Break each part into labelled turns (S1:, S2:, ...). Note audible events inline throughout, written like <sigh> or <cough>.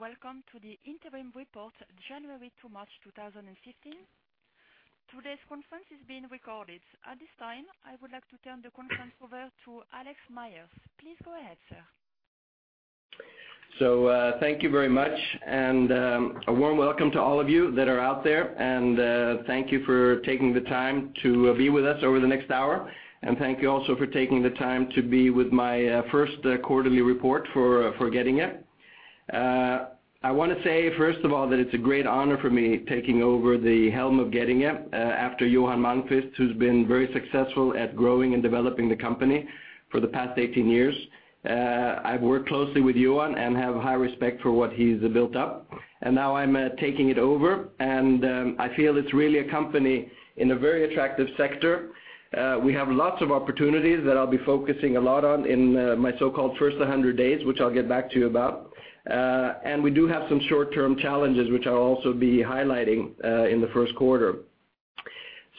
S1: Welcome to the interim report, January to March 2015. Today's conference is being recorded. At this time, I would like to turn the conference over to Alex Myers. Please go ahead, sir.
S2: So, thank you very much, and, a warm welcome to all of you that are out there. And, thank you for taking the time to be with us over the next hour. And thank you also for taking the time to be with my first quarterly report for Getinge. I want to say, first of all, that it's a great honor for me taking over the helm of Getinge, after Johan Malmquist, who's been very successful at growing and developing the company for the past 18 years. I've worked closely with Johan and have high respect for what he's built up, and now I'm taking it over, and, I feel it's really a company in a very attractive sector. We have lots of opportunities that I'll be focusing a lot on in my so-called first 100 days, which I'll get back to you about. We do have some short-term challenges, which I'll also be highlighting in the first quarter.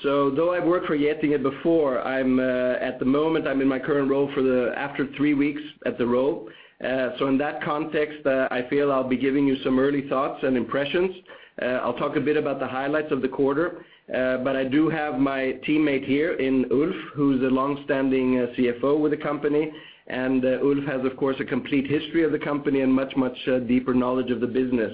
S2: Though I've worked for Getinge before, at the moment, I'm in my current role for the after three weeks at the role. So in that context, I feel I'll be giving you some early thoughts and impressions. I'll talk a bit about the highlights of the quarter, but I do have my teammate here in Ulf, who's a long-standing CFO with the company. Ulf has, of course, a complete history of the company and much, much deeper knowledge of the business.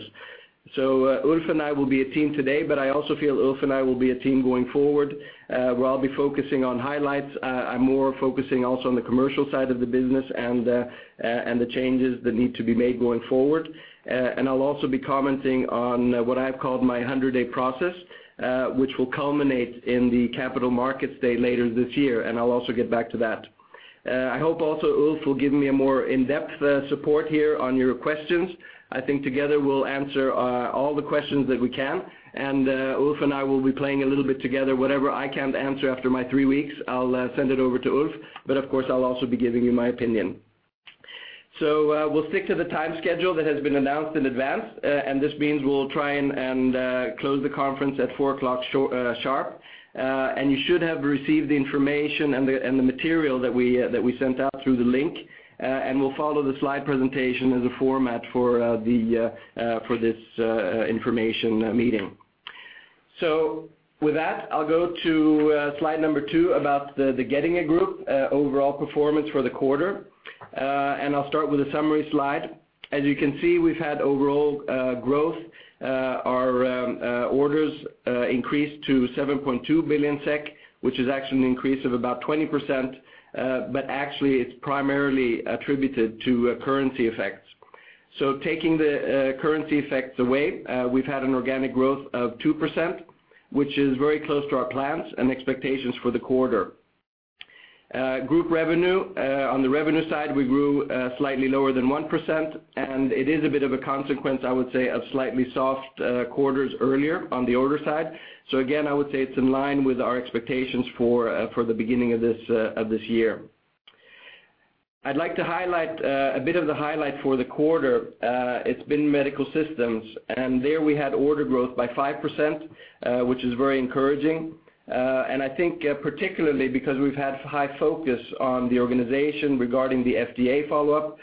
S2: So, Ulf and I will be a team today, but I also feel Ulf and I will be a team going forward. Where I'll be focusing on highlights, I'm more focusing also on the commercial side of the business and the changes that need to be made going forward. And I'll also be commenting on what I've called my 100-day process, which will culminate in the Capital Markets Day later this year, and I'll also get back to that. I hope also Ulf will give me a more in-depth support here on your questions. I think together we'll answer all the questions that we can, and Ulf and I will be playing a little bit together. Whatever I can't answer after my three weeks, I'll send it over to Ulf, but of course, I'll also be giving you my opinion. So, we'll stick to the time schedule that has been announced in advance, and this means we'll try and close the conference at 4:00 P.M. sharp. And you should have received the information and the material that we sent out through the link. And we'll follow the slide presentation as a format for the for this information meeting. So with that, I'll go to slide Number 2 about the Getinge Group overall performance for the quarter. And I'll start with a summary slide. As you can see, we've had overall growth. Our orders increased to 7.2 billion SEK, which is actually an increase of about 20%, but actually it's primarily attributed to currency effects. So taking the currency effects away, we've had an organic growth of 2%, which is very close to our plans and expectations for the quarter. Group revenue, on the revenue side, we grew slightly lower than 1%, and it is a bit of a consequence, I would say, of slightly soft quarters earlier on the order side. So again, I would say it's in line with our expectations for the beginning of this year. I'd like to highlight a bit of the highlight for the quarter. It's been Medical Systems, and there we had order growth by 5%, which is very encouraging. And I think, particularly because we've had high focus on the organization regarding the FDA follow-up,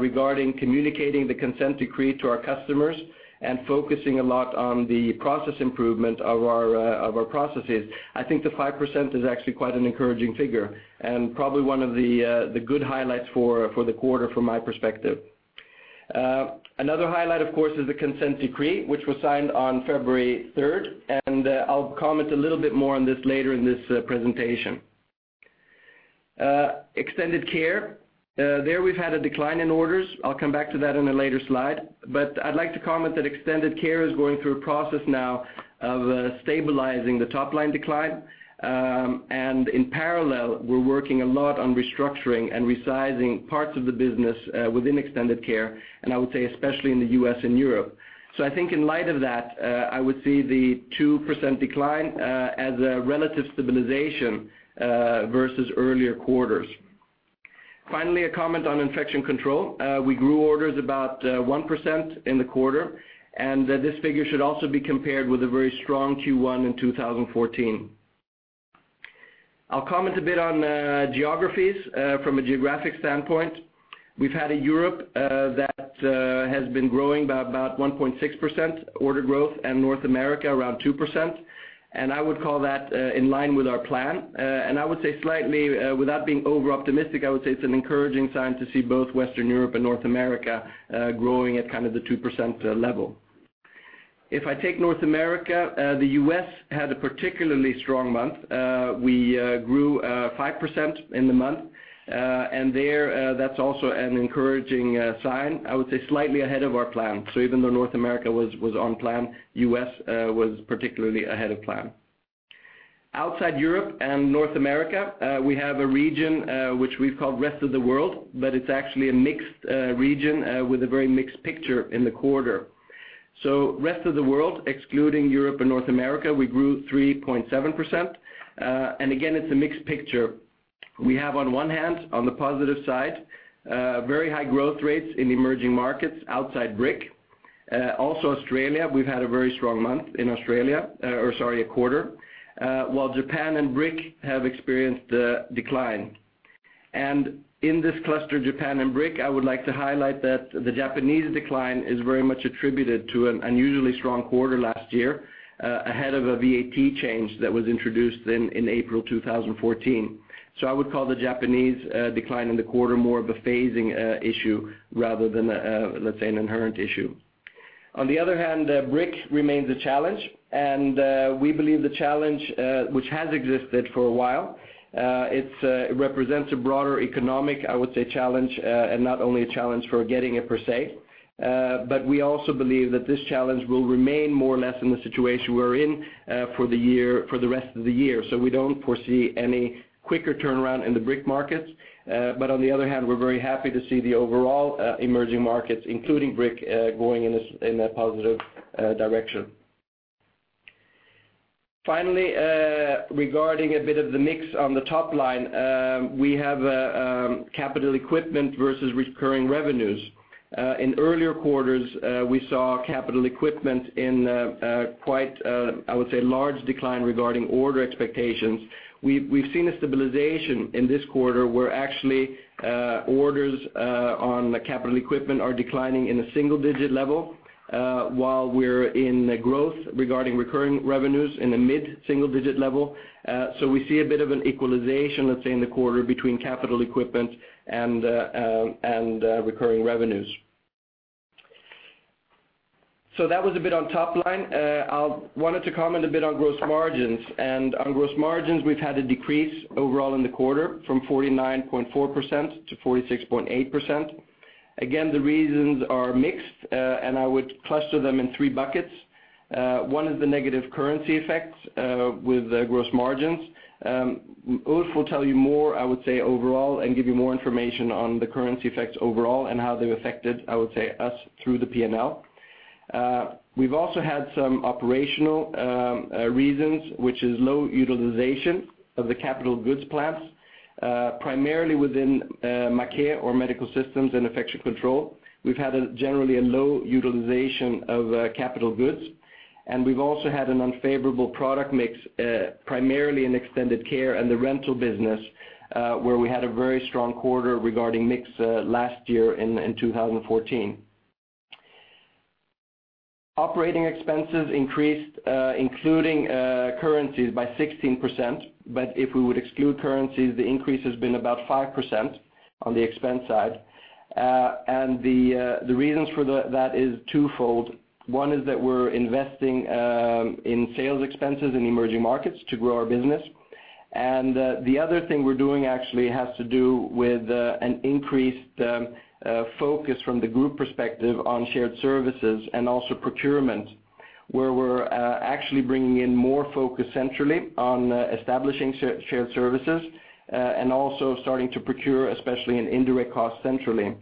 S2: regarding communicating the Consent Decree to our customers, and focusing a lot on the process improvement of our processes. I think the 5% is actually quite an encouraging figure and probably one of the good highlights for the quarter from my perspective. Another highlight, of course, is the Consent Decree, which was signed on February 3rd, and I'll comment a little bit more on this later in this presentation. Extended Care, there we've had a decline in orders. I'll come back to that in a later slide. But I'd like to comment that Extended Care is going through a process now of stabilizing the top-line decline. And in parallel, we're working a lot on restructuring and resizing parts of the business within Extended Care, and I would say especially in the U.S. and Europe. So I think in light of that, I would see the 2% decline as a relative stabilization versus earlier quarters. Finally, a comment on Infection Control. We grew orders about 1% in the quarter, and this figure should also be compared with a very strong Q1 in 2014. I'll comment a bit on geographies. From a geographic standpoint, we've had a Europe that has been growing by about 1.6% order growth, and North America around 2%. And I would call that in line with our plan. And I would say slightly, without being over-optimistic, I would say it's an encouraging sign to see both Western Europe and North America growing at kind of the 2% level. If I take North America, the U.S. had a particularly strong month. We grew 5% in the month. And there, that's also an encouraging sign, I would say slightly ahead of our plan. So even though North America was on plan, U.S. was particularly ahead of plan. Outside Europe and North America, we have a region which we've called Rest of the World, but it's actually a mixed region with a very mixed picture in the quarter. So Rest of the World, excluding Europe and North America, we grew 3.7%. And again, it's a mixed picture. We have on one hand, on the positive side, very high growth rates in emerging markets outside BRIC. Also Australia, we've had a very strong month in Australia, or sorry, a quarter, while Japan and BRIC have experienced a decline. And in this cluster, Japan and BRIC, I would like to highlight that the Japanese decline is very much attributed to an unusually strong quarter last year, ahead of a VAT change that was introduced in April 2014. So I would call the Japanese decline in the quarter more of a phasing issue rather than a, let's say, an inherent issue. On the other hand, BRIC remains a challenge, and we believe the challenge, which has existed for a while, it represents a broader economic, I would say, challenge, and not only a challenge for Getinge per se. But we also believe that this challenge will remain more or less in the situation we're in, for the year, for the rest of the year. So we don't foresee any quicker turnaround in the BRIC markets. But on the other hand, we're very happy to see the overall emerging markets, including BRIC, going in a positive direction. Finally, regarding a bit of the mix on the top line, we have a capital equipment versus recurring revenues. In earlier quarters, we saw capital equipment in quite, I would say, large decline regarding order expectations. We've seen a stabilization in this quarter, where actually, orders on the capital equipment are declining in a single-digit level, while we're in growth regarding recurring revenues in the mid-single-digit level. So we see a bit of an equalization, let's say, in the quarter between capital equipment and recurring revenues. So that was a bit on top line. I wanted to comment a bit on gross margins. And on gross margins, we've had a decrease overall in the quarter from 49.4%-46.8%. Again, the reasons are mixed, and I would cluster them in three buckets. One is the negative currency effects with the gross margins. Ulf will tell you more, I would say, overall, and give you more information on the currency effects overall and how they've affected, I would say, us through the P&L. We've also had some operational reasons, which is low utilization of the capital goods plants, primarily within Maquet or Medical Systems and Infection Control. We've had generally a low utilization of capital goods, and we've also had an unfavorable product mix, primarily in Extended Care and the rental business, where we had a very strong quarter regarding mix, last year in 2014. Operating expenses increased, including currencies, by 16%. But if we would exclude currencies, the increase has been about 5% on the expense side. And the reasons for that is twofold. One is that we're investing in sales expenses in emerging markets to grow our business. And the other thing we're doing actually has to do with an increased focus from the group perspective on shared services and also procurement, where we're actually bringing in more focus centrally on establishing shared services and also starting to procure, especially in indirect costs, centrally.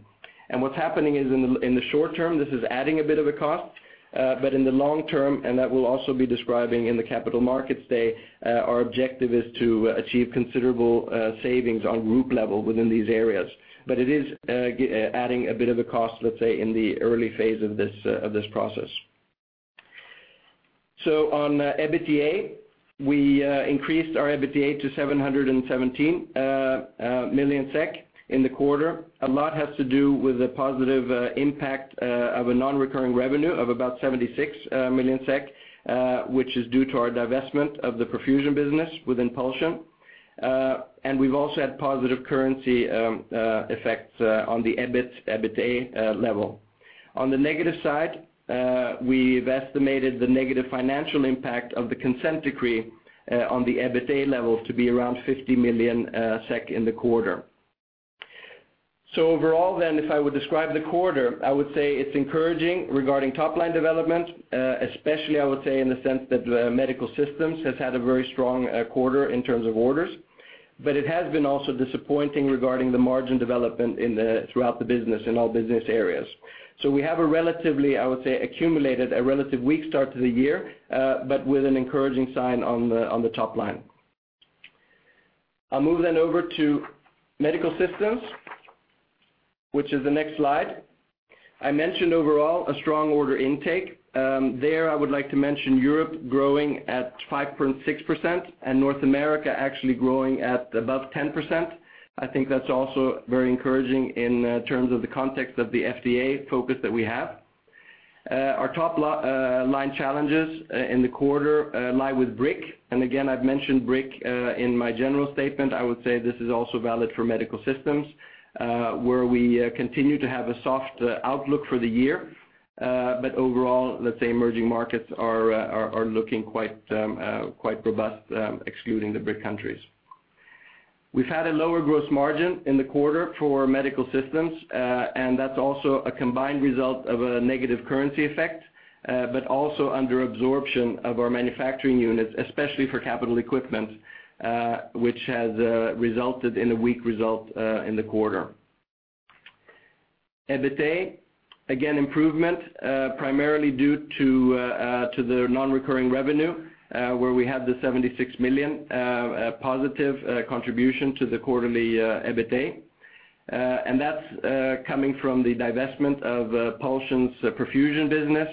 S2: And what's happening is in the short term, this is adding a bit of a cost, but in the long term, and that we'll also be describing in the Capital Markets Day, our objective is to achieve considerable savings on group level within these areas. But it is adding a bit of a cost, let's say, in the early phase of this process. So on EBITDA, we increased our EBITDA to 717 million SEK in the quarter. A lot has to do with the positive impact of a non-recurring revenue of about 76 million SEK, which is due to our divestment of the perfusion business within Pulsion. And we've also had positive currency effects on the EBIT, EBITDA level. On the negative side, we've estimated the negative financial impact of the Consent Decree on the EBITDA level to be around 50 million SEK in the quarter. So overall then, if I would describe the quarter, I would say it's encouraging regarding top line development, especially, I would say, in the sense that Medical Systems has had a very strong quarter in terms of orders. But it has been also disappointing regarding the margin development throughout the business, in all business areas. We have a relatively, I would say, accumulated a relative weak start to the year, but with an encouraging sign on the top line. I'll move then over to Medical Systems, which is the next slide. I mentioned overall a strong order intake. There, I would like to mention Europe growing at 5.6% and North America actually growing at above 10%. I think that's also very encouraging in terms of the context of the FDA focus that we have. Our top line challenges in the quarter lie with BRIC. Again, I've mentioned BRIC in my general statement. I would say this is also valid for Medical Systems, where we continue to have a soft outlook for the year. But overall, let's say emerging markets are looking quite robust, excluding the BRIC countries. We've had a lower gross margin in the quarter for Medical Systems, and that's also a combined result of a negative currency effect, but also under absorption of our manufacturing units, especially for capital equipment, which has resulted in a weak result in the quarter. EBITDA, again, improvement, primarily due to the non-recurring revenue, where we have the 76 million positive contribution to the quarterly EBITDA. And that's coming from the divestment of Pulsion's perfusion business,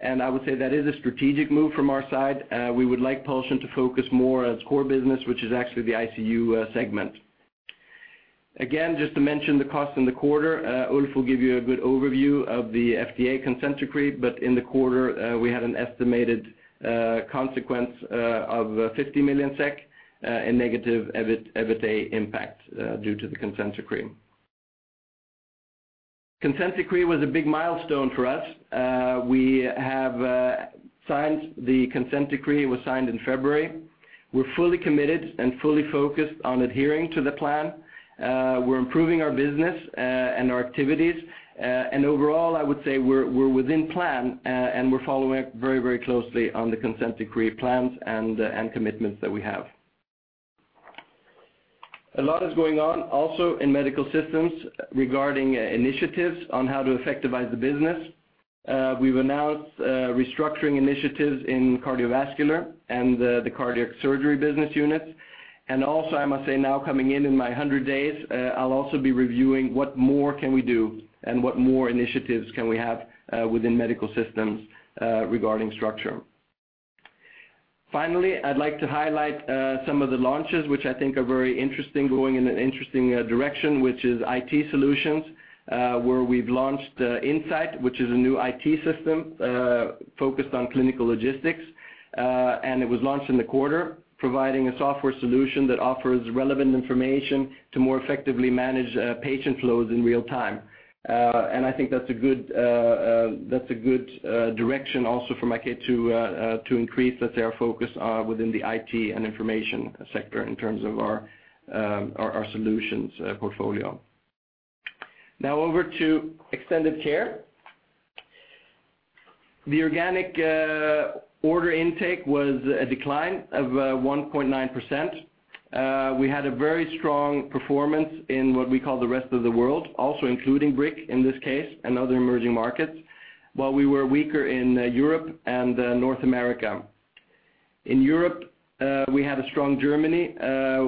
S2: and I would say that is a strategic move from our side. We would like Pulsion to focus more on its core business, which is actually the ICU segment. Again, just to mention the cost in the quarter, Ulf will give you a good overview of the FDA consent decree, but in the quarter, we had an estimated consequence of 50 million SEK in negative EBIT, EBITDA impact due to the consent decree. Consent decree was a big milestone for us. We have signed, the consent decree was signed in February. We're fully committed and fully focused on adhering to the plan. We're improving our business and our activities. And overall, I would say we're within plan, and we're following very, very closely on the consent decree plans and commitments that we have. A lot is going on also in Medical Systems regarding initiatives on how to effectivize the business. We've announced restructuring initiatives in cardiovascular and the cardiac surgery business units. Also, I must say now, coming in my 100 days, I'll also be reviewing what more can we do and what more initiatives can we have within Medical Systems regarding structure. Finally, I'd like to highlight some of the launches, which I think are very interesting, going in an interesting direction, which is IT solutions, where we've launched Insight, which is a new IT system focused on clinical logistics. It was launched in the quarter, providing a software solution that offers relevant information to more effectively manage patient flows in real time. I think that's a good direction also for Getinge to increase, let's say, our focus within the IT and information sector in terms of our solutions portfolio. Now over to Extended Care. The organic order intake was a decline of 1.9%. We had a very strong performance in what we call the rest of the world, also including BRIC, in this case, and other emerging markets, while we were weaker in Europe and North America. In Europe, we had a strong Germany,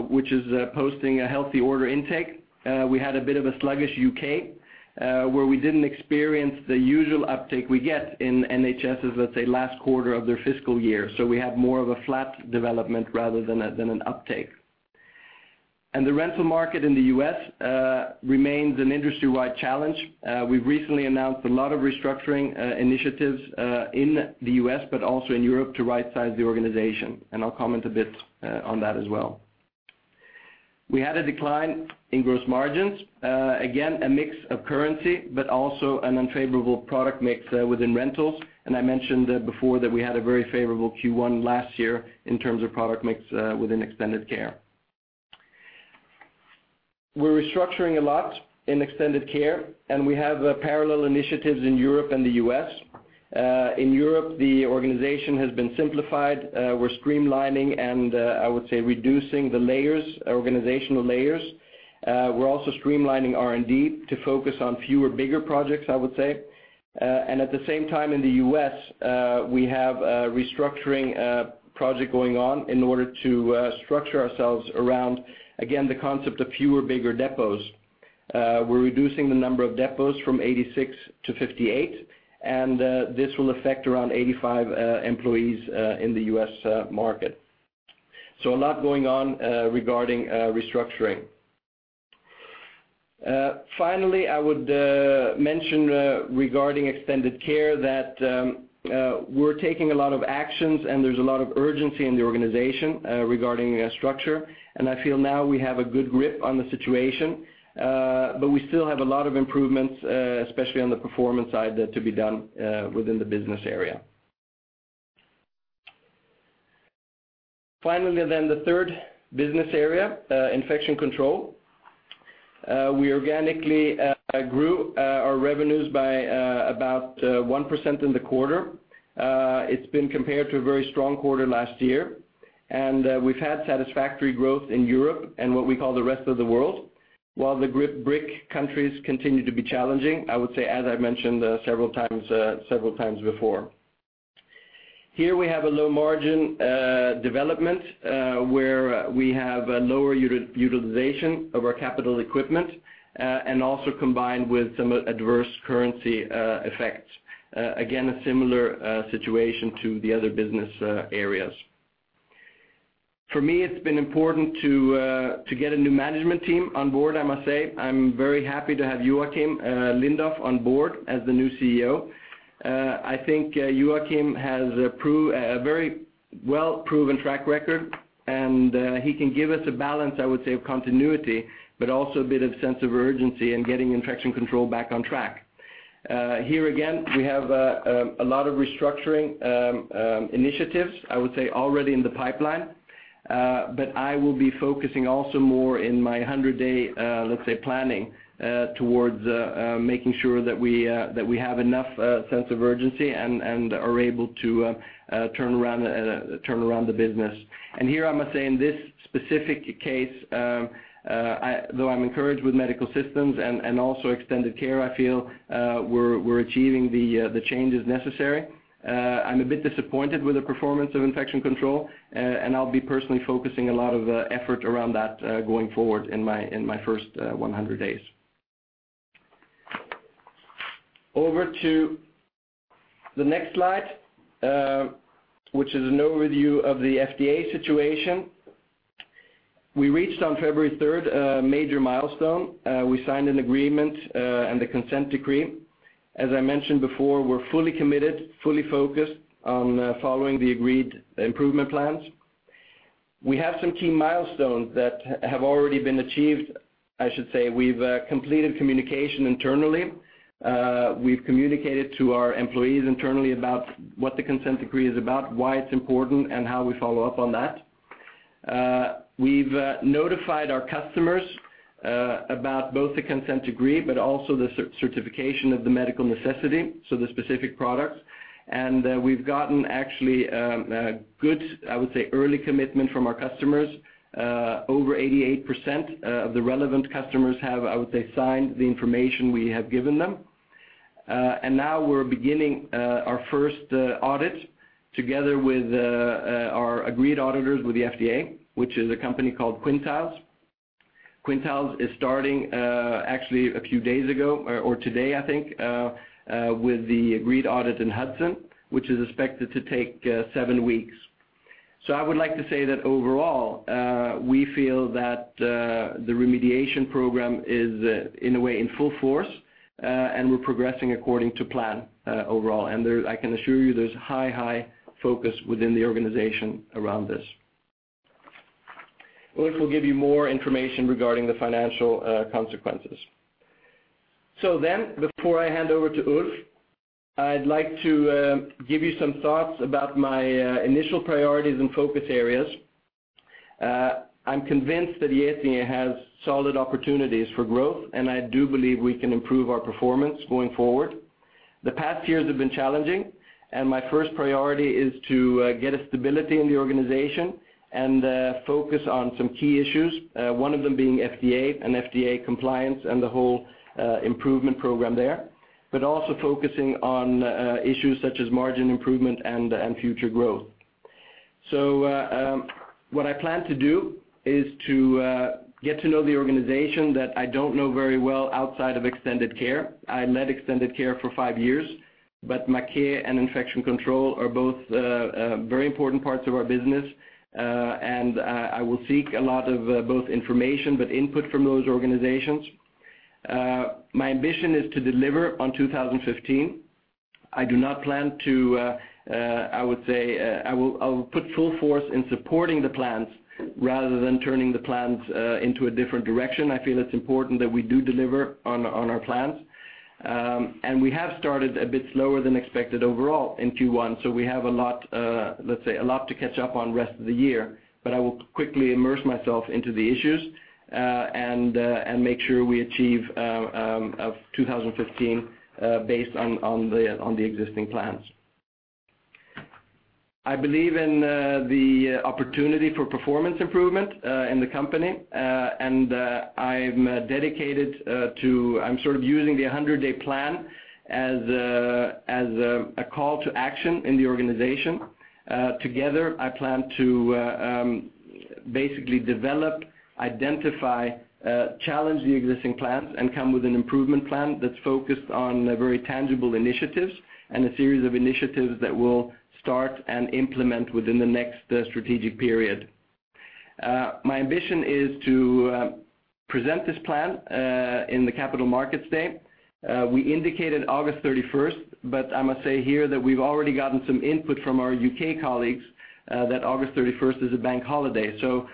S2: which is posting a healthy order intake. We had a bit of a sluggish U.K., where we didn't experience the usual uptake we get in NHS's last quarter of their fiscal year. We had more of a flat development rather than an uptake. The rental market in the U.S. remains an industry-wide challenge. We've recently announced a lot of restructuring initiatives in the U.S., but also in Europe, to rightsize the organization, and I'll comment a bit on that as well. We had a decline in gross margins, again, a mix of currency, but also an unfavorable product mix within rentals. I mentioned before that we had a very favorable Q1 last year in terms of product mix within Extended Care. We're restructuring a lot in Extended Care, and we have parallel initiatives in Europe and the U.S. In Europe, the organization has been simplified. We're streamlining and, I would say, reducing the layers, organizational layers. We're also streamlining R&D to focus on fewer, bigger projects, I would say. And at the same time, in the U.S., we have a restructuring project going on in order to structure ourselves around, again, the concept of fewer, bigger depots. We're reducing the number of depots from 86-58, and this will affect around 85 employees in the U.S. market. So a lot going on regarding restructuring. Finally, I would mention regarding Extended Care that we're taking a lot of actions, and there's a lot of urgency in the organization regarding structure. And I feel now we have a good grip on the situation, but we still have a lot of improvements, especially on the performance side, to be done within the business area. Finally, the third business area, Infection Control. We organically grew our revenues by about 1% in the quarter. It's been compared to a very strong quarter last year, and we've had satisfactory growth in Europe and what we call the rest of the world, while the BRIC countries continue to be challenging, I would say, as I've mentioned several times, several times before. Here we have a low-margin development, where we have a lower utilization of our capital equipment, and also combined with some adverse currency effects. Again, a similar situation to the other business areas. For me, it's been important to get a new management team on board, I must say. I'm very happy to have Joacim Lindoff on board as the new CEO. I think Joacim has a very well-proven track record, and he can give us a balance, I would say, of continuity, but also a bit of sense of urgency in getting Infection Control back on track. Here again, we have a lot of restructuring initiatives, I would say, already in the pipeline. But I will be focusing also more in my 100-day, let's say, planning towards making sure that we have enough sense of urgency and are able to turn around the business. Here, I must say, in this specific case, though I'm encouraged with Medical Systems and also Extended Care, I feel we're achieving the changes necessary. I'm a bit disappointed with the performance of Infection Control, and I'll be personally focusing a lot of effort around that, going forward in my first 100 days. Over to the next slide, which is an overview of the FDA situation. We reached on February third a major milestone. We signed an agreement and a Consent Decree. As I mentioned before, we're fully committed, fully focused on following the agreed improvement plans. We have some key milestones that have already been achieved. I should say, we've completed communication internally. We've communicated to our employees internally about what the Consent Decree is about, why it's important, and how we follow up on that. We've notified our customers about both the Consent Decree, but also the certification of the medical necessity, so the specific products. We've gotten actually a good, I would say, early commitment from our customers. Over 88% of the relevant customers have, I would say, signed the information we have given them. Now we're beginning our first audit together with our agreed auditors with the FDA, which is a company called Quintiles. Quintiles is starting actually a few days ago, or today, I think, with the agreed audit in Hudson, which is expected to take seven weeks. So I would like to say that overall, we feel that the Remediation Program is, in a way, in full force, and we're progressing according to plan, overall. There, I can assure you there's high focus within the organization around this. Ulf will give you more information regarding the financial consequences. So then, before I hand over to Ulf, I'd like to give you some thoughts about my initial priorities and focus areas. I'm convinced that Getinge has solid opportunities for growth, and I do believe we can improve our performance going forward. The past years have been challenging, and my first priority is to get a stability in the organization and focus on some key issues. One of them being FDA and FDA compliance and the whole improvement program there, but also focusing on issues such as margin improvement and future growth. So, what I plan to do is to get to know the organization that I don't know very well outside of Extended Care. I led Extended Care for five years, but Maquet and Infection Control are both very important parts of our business. And I will seek a lot of both information, but input from those organizations. My ambition is to deliver on 2015. I do not plan to. I would say, I will put full force in supporting the plans rather than turning the plans into a different direction. I feel it's important that we do deliver on our plans. And we have started a bit slower than expected overall in Q1, so we have a lot, let's say, a lot to catch up on rest of the year. But I will quickly immerse myself into the issues and make sure we achieve of 2015, based on the existing plans. I believe in the opportunity for performance improvement in the company, and I'm dedicated to... I'm sort of using the 100-day plan as a call to action in the organization. Together, I plan to basically develop, identify, challenge the existing plans, and come with an improvement plan that's focused on very tangible initiatives, and a series of initiatives that will start and implement within the next strategic period. My ambition is to present this plan in the Capital Markets Day. We indicated August thirty-first, but I must say here that we've already gotten some input from our U.K. colleagues that August thirty-first is a bank holiday. So,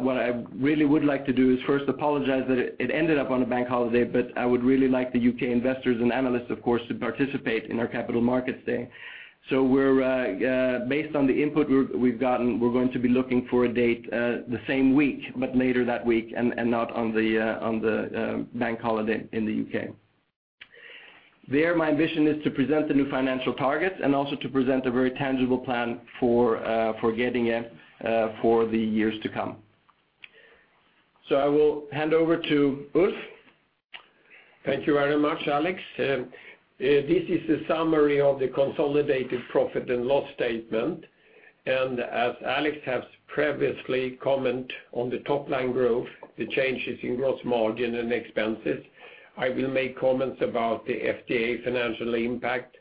S2: what I really would like to do is first apologize that it ended up on a bank holiday, but I would really like the U.K. investors and analysts, of course, to participate in our Capital Markets Day. So we're based on the input we've gotten, we're going to be looking for a date the same week, but later that week, and not on the bank holiday in the U.K. Then, my ambition is to present the new financial targets and also to present a very tangible plan for Getinge for the years to come. So I will hand over to Ulf.
S3: Thank you very much, Alex. This is a summary of the consolidated profit and loss statement. As Alex has previously comment on the top line growth, the changes in gross margin and expenses, I will make comments about the FDA financial impact,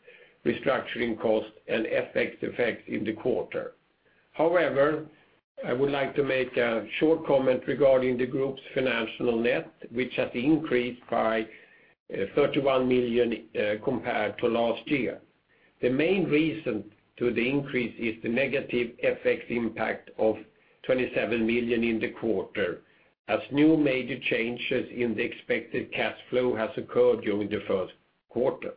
S3: restructuring cost, and FX effects in the quarter. However, I would like to make a short comment regarding the group's financial net, which has increased by 31 million compared to last year. The main reason to the increase is the negative FX impact of 27 million in the quarter, as new major changes in the expected cash flow has occurred during the first quarter.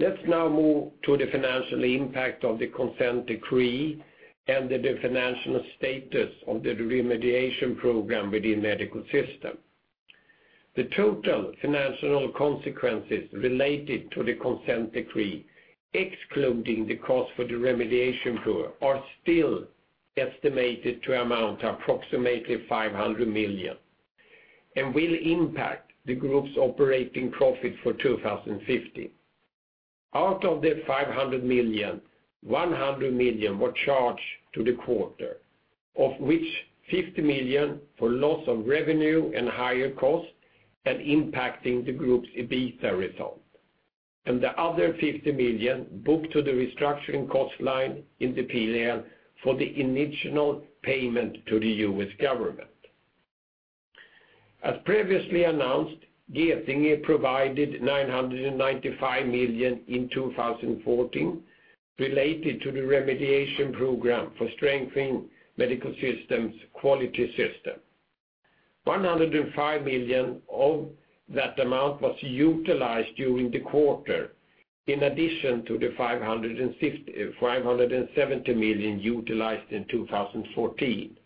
S3: Let's now move to the financial impact of the consent decree and the financial status of the remediation program within the Medical Systems. The total financial consequences related to the Consent Decree, excluding the cost for the Remediation Program, are still estimated to amount to approximately 500 million and will impact the group's operating profit for 2015. Out of the 500 million, 100 million were charged to the quarter, of which 50 million for loss of revenue and higher costs and impacting the group's EBITDA result, and the other 50 million booked to the restructuring cost line in the P&L for the initial payment to the U.S. government. As previously announced, Getinge provided 995 million in 2014 related to the Remediation Program for strengthening Medical Systems' quality system. 105 million of that amount was utilized during the quarter, in addition to the 550 million–570 million utilized in 2014.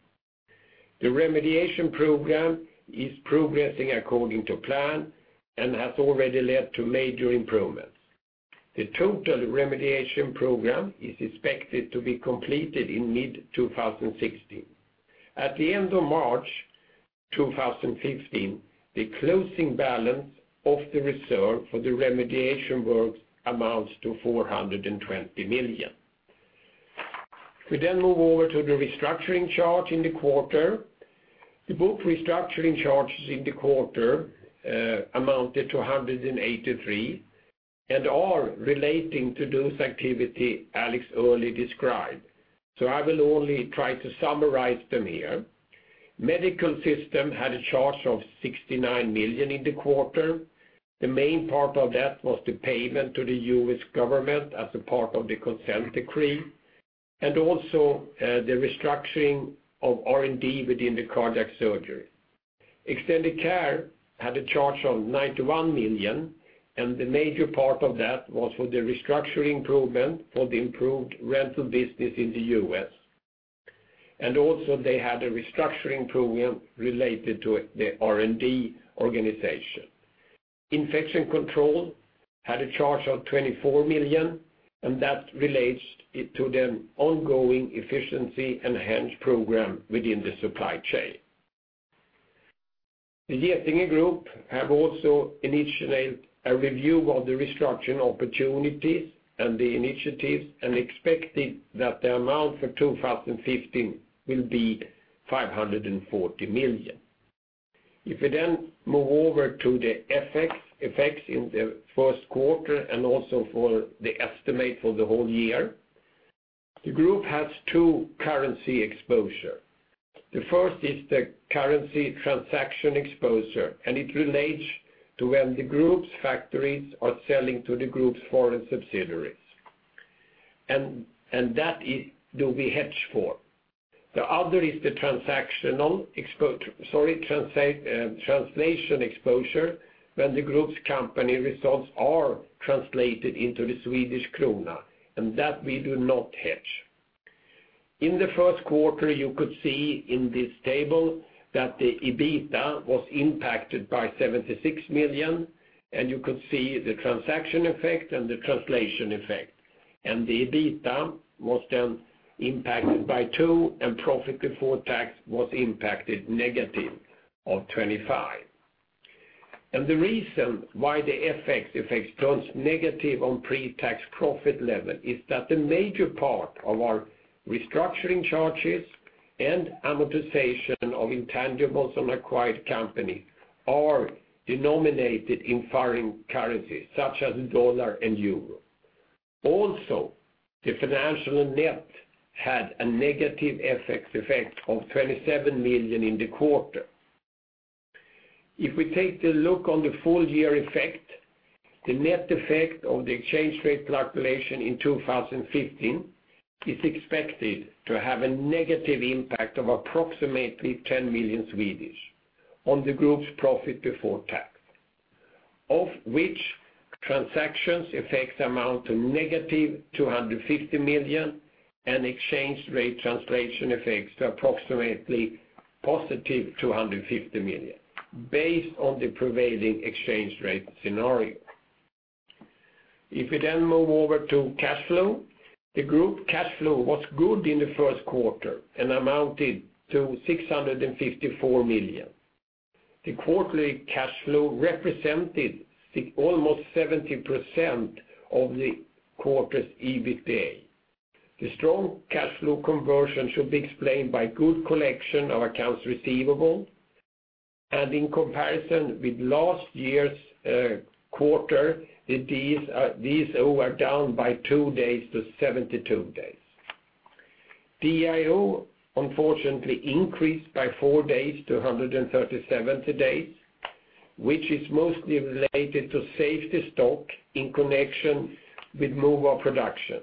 S3: The remediation program is progressing according to plan and has already led to major improvements. The total remediation program is expected to be completed in mid-2016. At the end of March 2015, the closing balance of the reserve for the remediation work amounts to 420 million. We then move over to the restructuring charge in the quarter. The booked restructuring charges in the quarter amounted to 183 million, and are relating to those activities Alex earlier described. I will only try to summarize them here. Medical Systems had a charge of 69 million in the quarter. The main part of that was the payment to the U.S. government as a part of the Consent Decree, and also the restructuring of R&D within the cardiac surgery. Extended Care had a charge of 91 million, and the major part of that was for the restructuring improvement for the improved rental business in the U.S. And also, they had a restructuring program related to the R&D organization. Infection Control had a charge of 24 million, and that relates it to the ongoing efficiency enhanced program within the supply chain. The Getinge Group have also initiated a review of the restructuring opportunities and the initiatives, and expected that the amount for 2015 will be 540 million. If we then move over to the effects, effects in the first quarter and also for the estimate for the whole year, the group has two currency exposure. The first is the currency transaction exposure, and it relates to when the group's factories are selling to the group's foreign subsidiaries. The other is the translation exposure, when the group's company results are translated into the Swedish krona, and that we do not hedge. In the first quarter, you could see in this table that the EBITDA was impacted by 76 million, and you could see the transaction effect and the translation effect. The EBITDA was then impacted by two, and profit before tax was impacted negative of 25. The reason why the FX effects turns negative on pre-tax profit level is that the major part of our restructuring charges and amortization of intangibles on acquired companies are denominated in foreign currencies, such as U.S. dollar and euro. Also, the financial net had a negative FX effect of 27 million in the quarter. If we take a look on the full year effect, the net effect of the exchange rate fluctuation in 2015 is expected to have a negative impact of approximately 10 million on the group's profit before tax, of which transactions effects amount to -250 million, and exchange rate translation effects to approximately +250 million, based on the prevailing exchange rate scenario. If we then move over to cash flow, the group cash flow was good in the first quarter and amounted to 654 million. The quarterly cash flow represented almost 70% of the quarter's EBITDA. The strong cash flow conversion should be explained by good collection of accounts receivable, and in comparison with last year's quarter, these were down by 2 days to 72 days. DIO, unfortunately, increased by four days to 137 days, which is mostly related to safety stock in connection with move of production.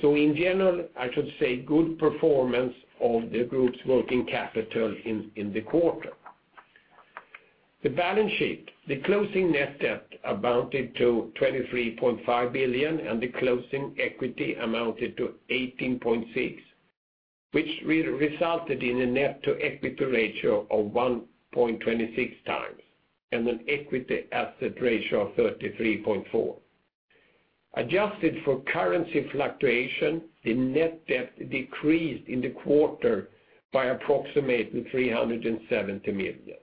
S3: So in general, I should say, good performance of the group's working capital in the quarter. The balance sheet, the closing net debt amounted to 23.5 billion, and the closing equity amounted to 18.6 billion, which resulted in a net-to-equity ratio of 1.26 times, and an equity asset ratio of 33.4%. Adjusted for currency fluctuation, the net debt decreased in the quarter by approximately 370 million.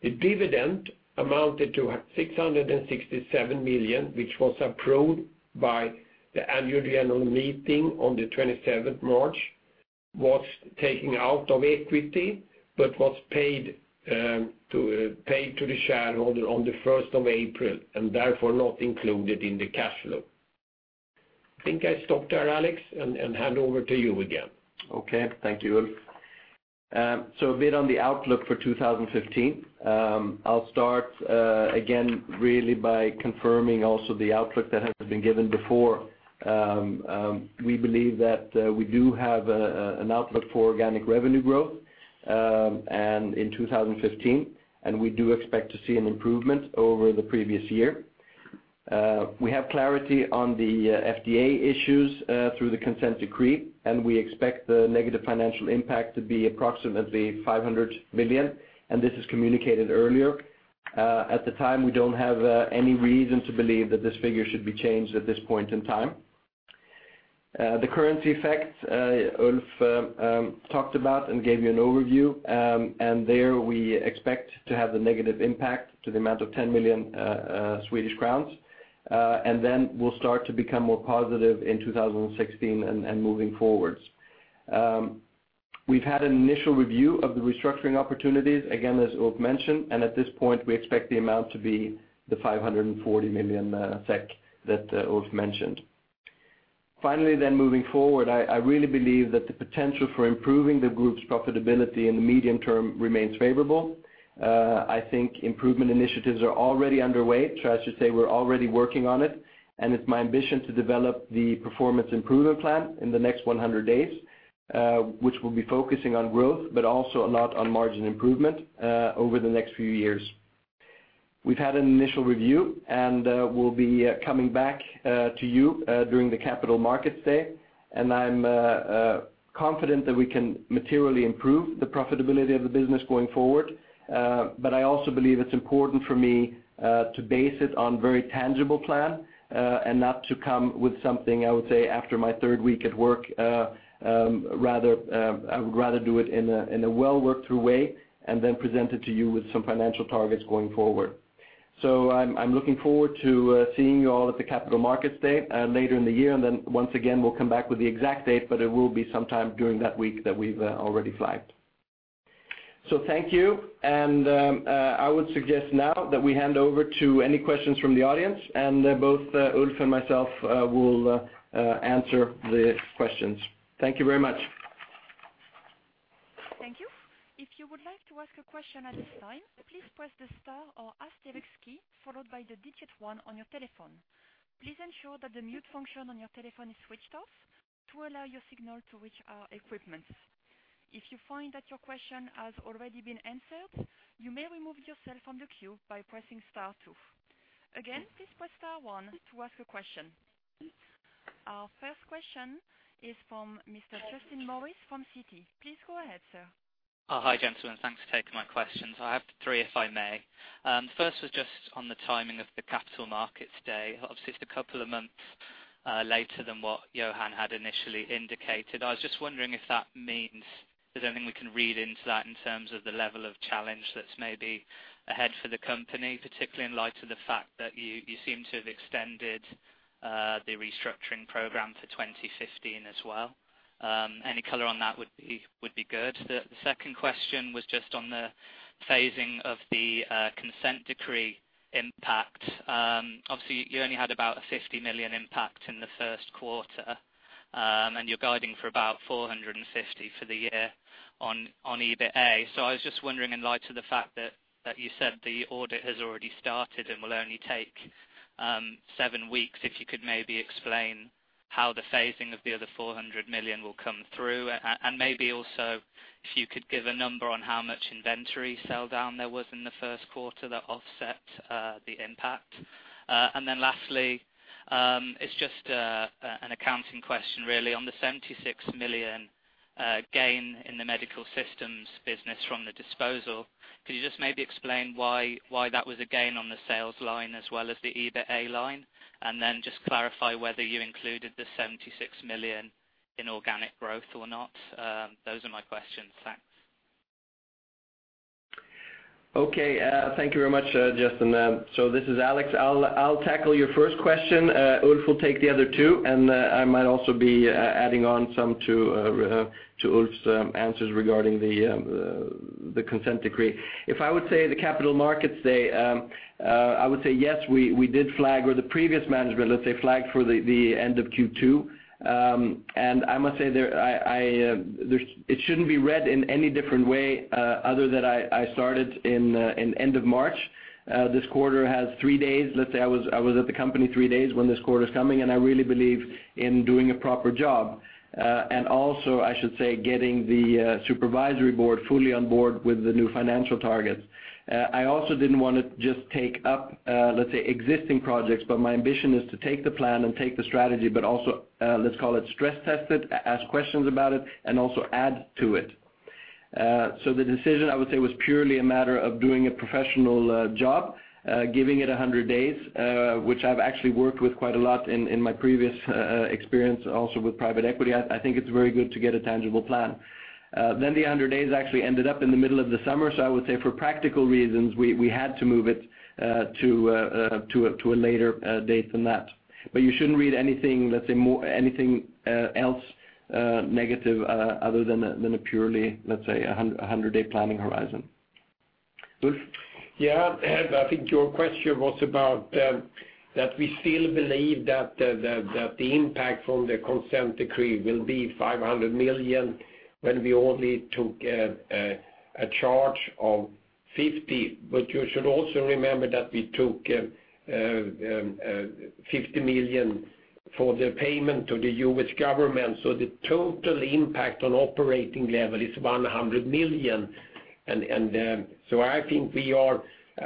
S3: The dividend amounted to 667 million, which was approved by the annual general meeting on the 27th March, was taken out of equity, but was paid to the shareholder on the 1st of April, and therefore, not included in the cash flow. I think I stop there, Alex, and hand over to you again.
S2: Okay, thank you, Ulf. So a bit on the outlook for 2015. I'll start, again, really by confirming also the outlook that has been given before. We believe that, we do have, an outlook for organic revenue growth, and in 2015, and we do expect to see an improvement over the previous year. We have clarity on the FDA issues, through the consent decree, and we expect the negative financial impact to be approximately 500 million, and this is communicated earlier. At the time, we don't have, any reason to believe that this figure should be changed at this point in time. The currency effects, Ulf, talked about and gave you an overview. And there, we expect to have the negative impact to the amount of 10 million Swedish crowns. And then we'll start to become more positive in 2016 and moving forwards. We've had an initial review of the restructuring opportunities, again, as Ulf mentioned, and at this point, we expect the amount to be the 540 million SEK that Ulf mentioned. Finally, then moving forward, I really believe that the potential for improving the group's profitability in the medium term remains favorable. I think improvement initiatives are already underway. So I should say we're already working on it, and it's my ambition to develop the performance improvement plan in the next 100 days, which will be focusing on growth, but also a lot on margin improvement, over the next few years. We've had an initial review, and we'll be coming back to you during the Capital Markets Day. And I'm confident that we can materially improve the profitability of the business going forward. But I also believe it's important for me to base it on very tangible plan and not to come with something, I would say, after my third week at work. Rather, I would rather do it in a well-worked through way, and then present it to you with some financial targets going forward. So I'm looking forward to seeing you all at the Capital Markets Day later in the year. And then, once again, we'll come back with the exact date, but it will be sometime during that week that we've already flagged. So thank you, and I would suggest now that we hand over to any questions from the audience, and both Ulf and myself will answer the questions. Thank you very much.
S1: Thank you. If you would like to ask a question at this time, please press the star or ask Direct key, followed by the digit one on your telephone. Please ensure that the mute function on your telephone is switched off to allow your signal to reach our equipments. If you find that your question has already been answered, you may remove yourself from the queue by pressing star two. Again, please press star one to ask a question. Our first question is from Mr. Justin Morris, from Citi. Please go ahead, sir.
S4: Hi, gentlemen. Thanks for taking my questions. I have three, if I may. First was just on the timing of the Capital Markets Day. Obviously, it's a couple of months later than what Johan had initially indicated. I was just wondering if that means, is there anything we can read into that in terms of the level of challenge that's maybe ahead for the company, particularly in light of the fact that you seem to have extended the restructuring program for 2015 as well? Any color on that would be good. The second question was just on the phasing of the Consent Decree impact. Obviously, you only had about a 50 million impact in the first quarter, and you're guiding for about 450 million for the year on EBITDA. So I was just wondering, in light of the fact that you said the audit has already started and will only take seven weeks, if you could maybe explain how the phasing of the other 400 million will come through. And maybe also if you could give a number on how much inventory sell down there was in the first quarter that offset the impact. And then lastly, it's just an accounting question really. On the 76 million gain in the Medical Systems business from the disposal, could you just maybe explain why that was a gain on the sales line as well as the EBITDA line? And then just clarify whether you included the 76 million in organic growth or not. Those are my questions. Thanks.
S2: Okay, thank you very much, Justin. So this is Alex. I'll tackle your first question. Ulf will take the other two, and I might also be adding on some to Ulf's answers regarding the Consent Decree. If I would say the Capital Markets Day, I would say, yes, we did flag, or the previous management, let's say, flagged for the end of Q2. And I must say, it shouldn't be read in any different way, other than I started in end of March. This quarter has three days. Let's say I was at the company three days when this quarter is coming, and I really believe in doing a proper job. And also, I should say, getting the supervisory board fully on board with the new financial targets. I also didn't want to just take up, let's say, existing projects, but my ambition is to take the plan and take the strategy, but also, let's call it, stress test it, ask questions about it, and also add to it. So the decision, I would say, was purely a matter of doing a professional job, giving it 100 days, which I've actually worked with quite a lot in my previous experience, also with private equity. I think it's very good to get a tangible plan. Then the 100 days actually ended up in the middle of the summer, so I would say for practical reasons, we had to move it to a later date than that. But you shouldn't read anything, let's say, anything else negative other than a purely, let's say, a 100-day planning horizon. Ulf?
S3: Yeah, and I think your question was about, that we still believe that the impact from the Consent Decree will be 500 million, when we only took a charge of 50 million. But you should also remember that we took 50 million for the payment to the U.S. government, so the total impact on operating level is 100 million. And, so I think we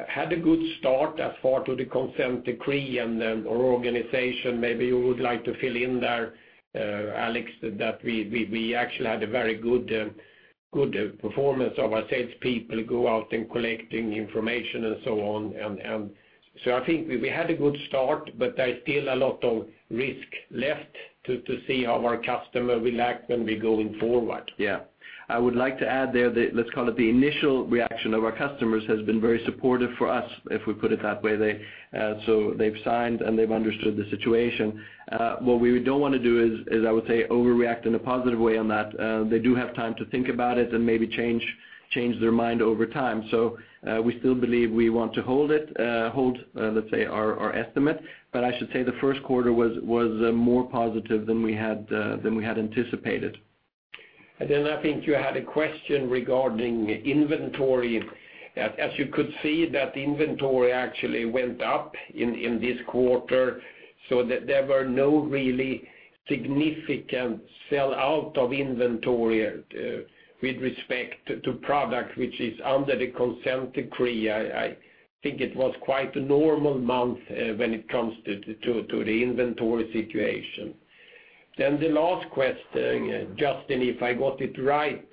S3: had a good start as far as the Consent Decree and our organization. Maybe you would like to fill in there, Alex, that we actually had a very good performance of our salespeople going out and collecting information and so on. So I think we had a good start, but there's still a lot of risk left to see how our customer will act when we going forward.
S2: Yeah. I would like to add there that, let's call it the initial reaction of our customers, has been very supportive for us, if we put it that way. They, so they've signed, and they've understood the situation. What we don't want to do is, I would say, overreact in a positive way on that. They do have time to think about it and maybe change their mind over time. So, we still believe we want to hold it, hold, let's say, our estimate. But I should say the first quarter was more positive than we had anticipated.
S3: Then I think you had a question regarding inventory. As you could see, that inventory actually went up in this quarter, so there were no really significant sell-out of inventory with respect to product, which is under the Consent Decree. I think it was quite a normal month when it comes to the inventory situation. Then the last question, Justin, if I got it right,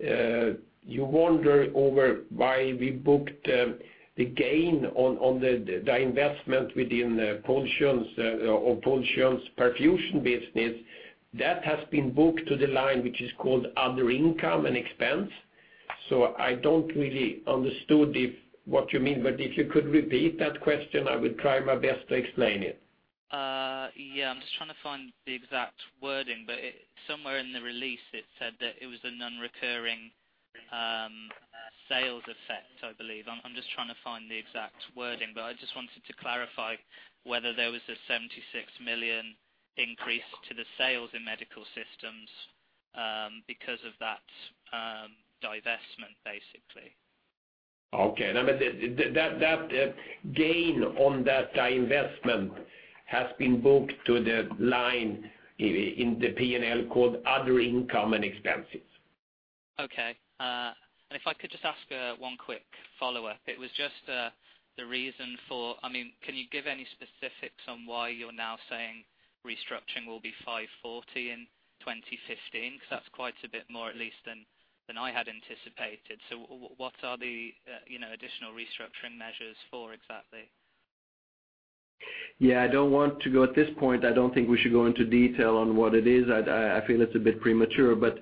S3: you wonder over why we booked the gain on the investment within the Pulsion perfusion business. That has been booked to the line, which is called other income and expense. So I don't really understood if what you mean, but if you could repeat that question, I will try my best to explain it.
S4: Yeah, I'm just trying to find the exact wording, but it somewhere in the release, it said that it was a nonrecurring sales effect, I believe. I'm just trying to find the exact wording, but I just wanted to clarify whether there was a 76 million increase to the sales in Medical Systems because of that divestment, basically.
S3: Okay. No, but that gain on that investment has been booked to the line in the PNL, called other income and expenses.
S4: Okay. And if I could just ask one quick follow-up. It was just the reason for... I mean, can you give any specifics on why you're now saying restructuring will be 540 million in 2015? Because that's quite a bit more, at least, than I had anticipated. So what are the, you know, additional restructuring measures for exactly?
S2: Yeah, I don't want to go at this point. I don't think we should go into detail on what it is. I feel it's a bit premature, but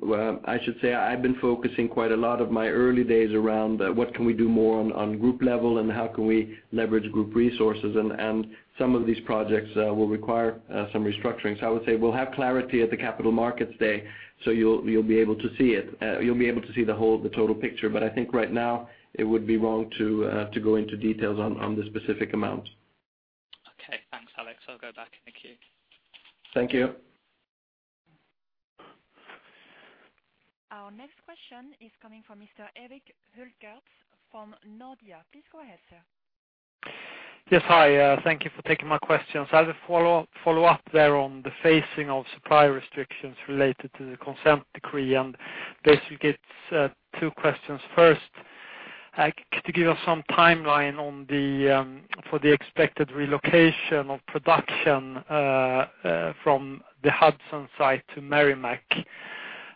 S2: well, I should say I've been focusing quite a lot of my early days around what can we do more on group level and how can we leverage group resources, and some of these projects will require some restructuring. So I would say we'll have clarity at the Capital Markets Day, so you'll be able to see it. You'll be able to see the whole, the total picture. But I think right now, it would be wrong to go into details on the specific amount.
S4: Okay. Thanks, Alex. I'll go back. Thank you.
S2: Thank you.
S1: Our next question is coming from Mr. Erik Hultgård from Nordea. Please go ahead, sir.
S5: Yes. Hi, thank you for taking my questions. I have a follow-up there on the phasing of supply restrictions related to the Consent Decree, and basically, it's two questions. First, could you give us some timeline for the expected relocation of production from the Hudson site to Merrimack?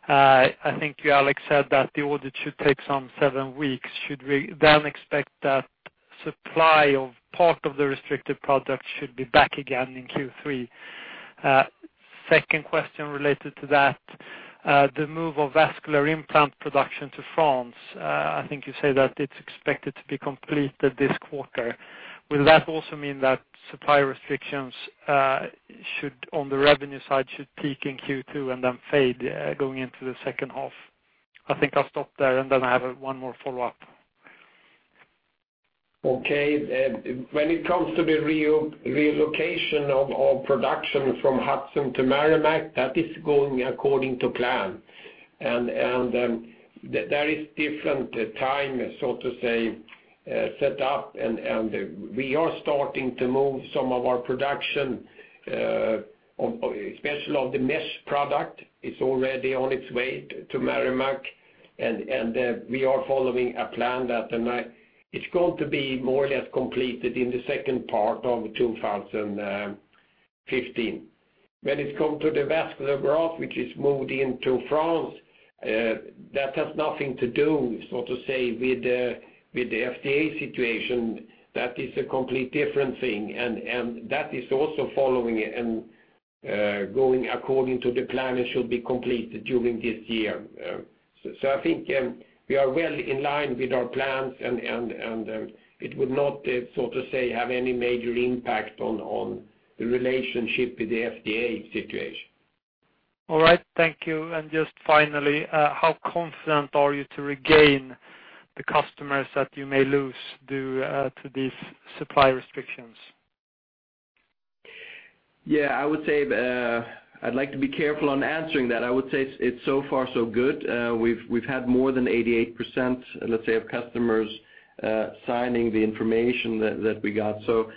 S5: I think you, Alex, said that the audit should take some seven weeks. Should we then expect that supply of part of the restricted product should be back again in Q3? Second question related to that, the move of vascular implant production to France, I think you say that it's expected to be completed this quarter. Will that also mean that supply restrictions should, on the revenue side, should peak in Q2 and then fade going into the second half? I think I'll stop there, and then I have one more follow-up.
S3: Okay. When it comes to the relocation of production from Hudson to Merrimack, that is going according to plan. There is different time, so to say, set up, and we are starting to move some of our production, especially of the mesh product, is already on its way to Merrimack. We are following a plan. It's going to be more or less completed in the second part of 2015. When it come to the vascular graft, which is moved into France, that has nothing to do, so to say, with the FDA situation. That is a complete different thing, and that is also following going according to the plan. It should be completed during this year. So I think we are well in line with our plans, and it would not, so to say, have any major impact on the relationship with the FDA situation.
S5: All right, thank you. Just finally, how confident are you to regain the customers that you may lose due to these supply restrictions?
S2: Yeah, I would say, I'd like to be careful on answering that. I would say it's so far so good. We've had more than 88%, let's say, of customers signing the information that we got. So,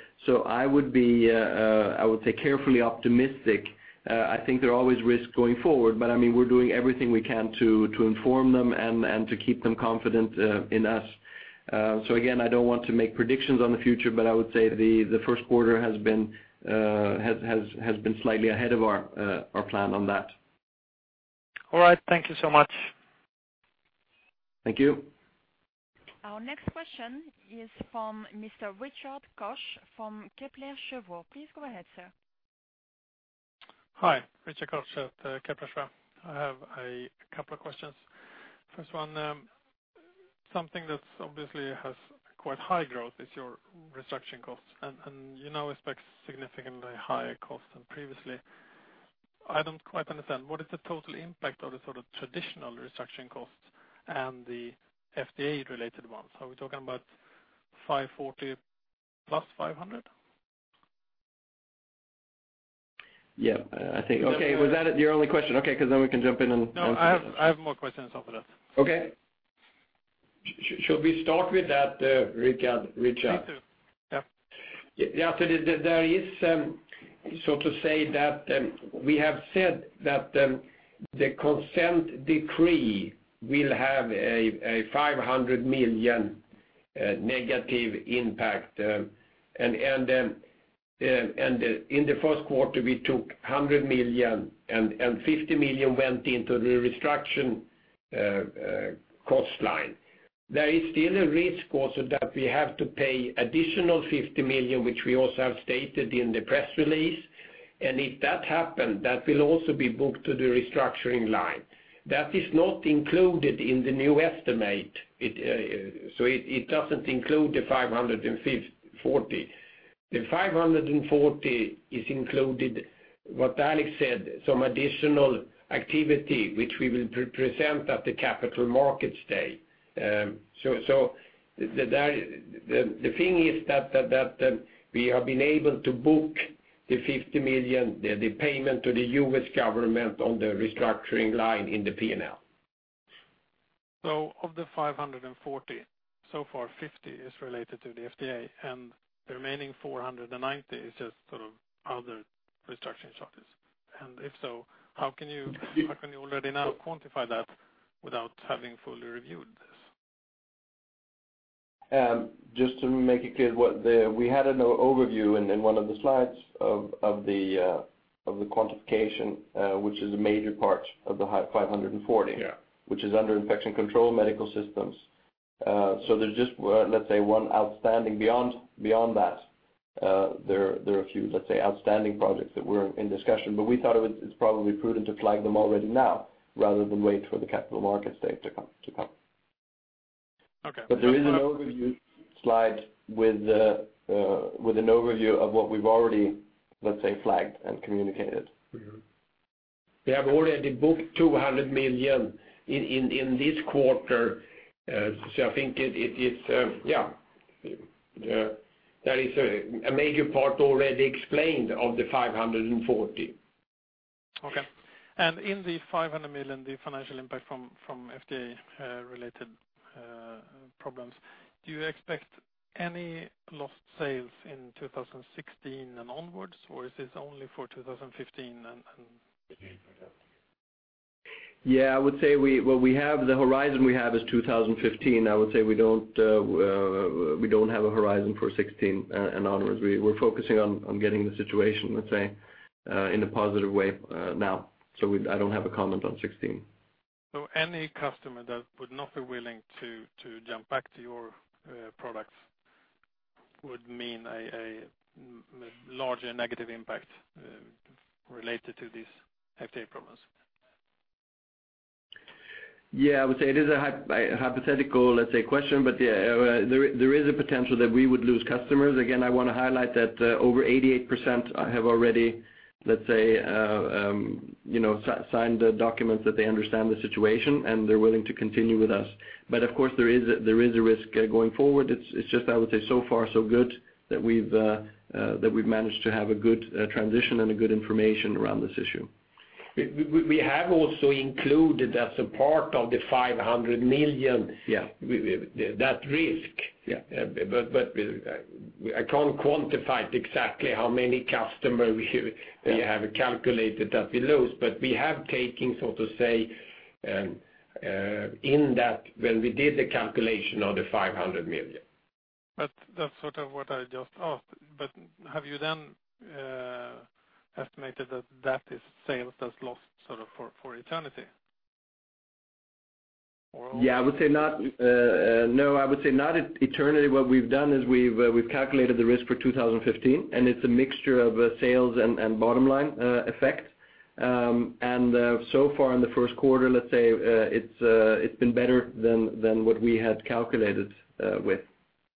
S2: I would be, I would say carefully optimistic. I think there are always risks going forward, but, I mean, we're doing everything we can to inform them and to keep them confident in us. So again, I don't want to make predictions on the future, but I would say the first quarter has been slightly ahead of our plan on that.
S5: All right. Thank you so much.
S2: Thank you.
S1: Our next question is from Mr. Richard <inaudible> from Kepler Cheuvreux. Please go ahead, sir.
S6: Hi, Richard <inaudible> at Kepler Cheuvreux. I have a couple of questions. First one, something that obviously has quite high growth is your restructuring costs, and, and you now expect significantly higher costs than previously. I don't quite understand, what is the total impact of the sort of traditional restructuring costs and the FDA-related ones? Are we talking about 540 + 500?
S2: Yeah, I think... Okay, was that your only question? Okay, because then we can jump in and-
S6: No, I have more questions after that.
S2: Okay.
S3: Should we start with that, Richard, Richard?
S6: Yeah.
S3: Yeah, so there is, so to say that, we have said that the consent decree will have a $500 million negative impact. In the first quarter, we took $100 million, and $50 million went into the restructuring cost line. There is still a risk also that we have to pay an additional $50 million, which we also have stated in the press release. If that happened, that will also be booked to the restructuring line. That is not included in the new estimate. It doesn't include the $540 million. The $540 million is included, what Alex said, some additional activity, which we will present at the Capital Markets Day. The thing is that we have been able to book the $50 million payment to the U.S. government on the restructuring line in the P&L.
S6: So of the 540, so far 50 is related to the FDA, and the remaining 490 is just sort of other restructuring charges. And if so, how can you, how can you already now quantify that without having fully reviewed this?
S2: Just to make it clear, we had an overview in one of the slides of the quantification, which is a major part of the 540.
S6: Yeah.
S2: Which is under infection control Medical Systems. So there's just, well, let's say, one outstanding beyond that, there are a few, let's say, outstanding projects that we're in discussion, but we thought it was, it's probably prudent to flag them already now rather than wait for the Capital Markets Day to come.
S6: Okay.
S2: But there is an overview slide with an overview of what we've already, let's say, flagged and communicated.
S3: We have already booked 200 million in this quarter. So I think it's, yeah, there is a major part already explained of the 540.
S6: Okay. And in the 500 million, the financial impact from FDA-related problems, do you expect any lost sales in 2016 and onwards, or is this only for 2015 and, and-
S2: Yeah, I would say we, well, we have, the horizon we have is 2015. I would say we don't, we don't have a horizon for 2016, and onwards. We, we're focusing on, on getting the situation, let's say, in a positive way, now. So, we—I don't have a comment on 2016.
S6: So any customer that would not be willing to jump back to your products would mean a larger negative impact related to these FDA problems?
S2: Yeah, I would say it is a hypothetical, let's say, question, but, yeah, there, there is a potential that we would lose customers. Again, I want to highlight that, over 88% have already, let's say, you know, signed, documents that they understand the situation, and they're willing to continue with us. But of course, there is a, there is a risk, going forward. It's, it's just I would say, so far so good, that we've, that we've managed to have a good, transition and a good information around this issue.
S3: We have also included as a part of the 500 million-
S2: Yeah...
S3: that risk.
S2: Yeah.
S3: But I can't quantify it exactly how many customers we have calculated that we lose, but we have taken, so to say, in that when we did the calculation of the 500 million.
S6: But that's sort of what I just asked. But have you then estimated that that is sales that's lost sort of for eternity?
S2: Yeah, I would say not, no, I would say not eternally. What we've done is we've calculated the risk for 2015, and it's a mixture of sales and bottom line effect. And so far in the first quarter, let's say, it's been better than what we had calculated with.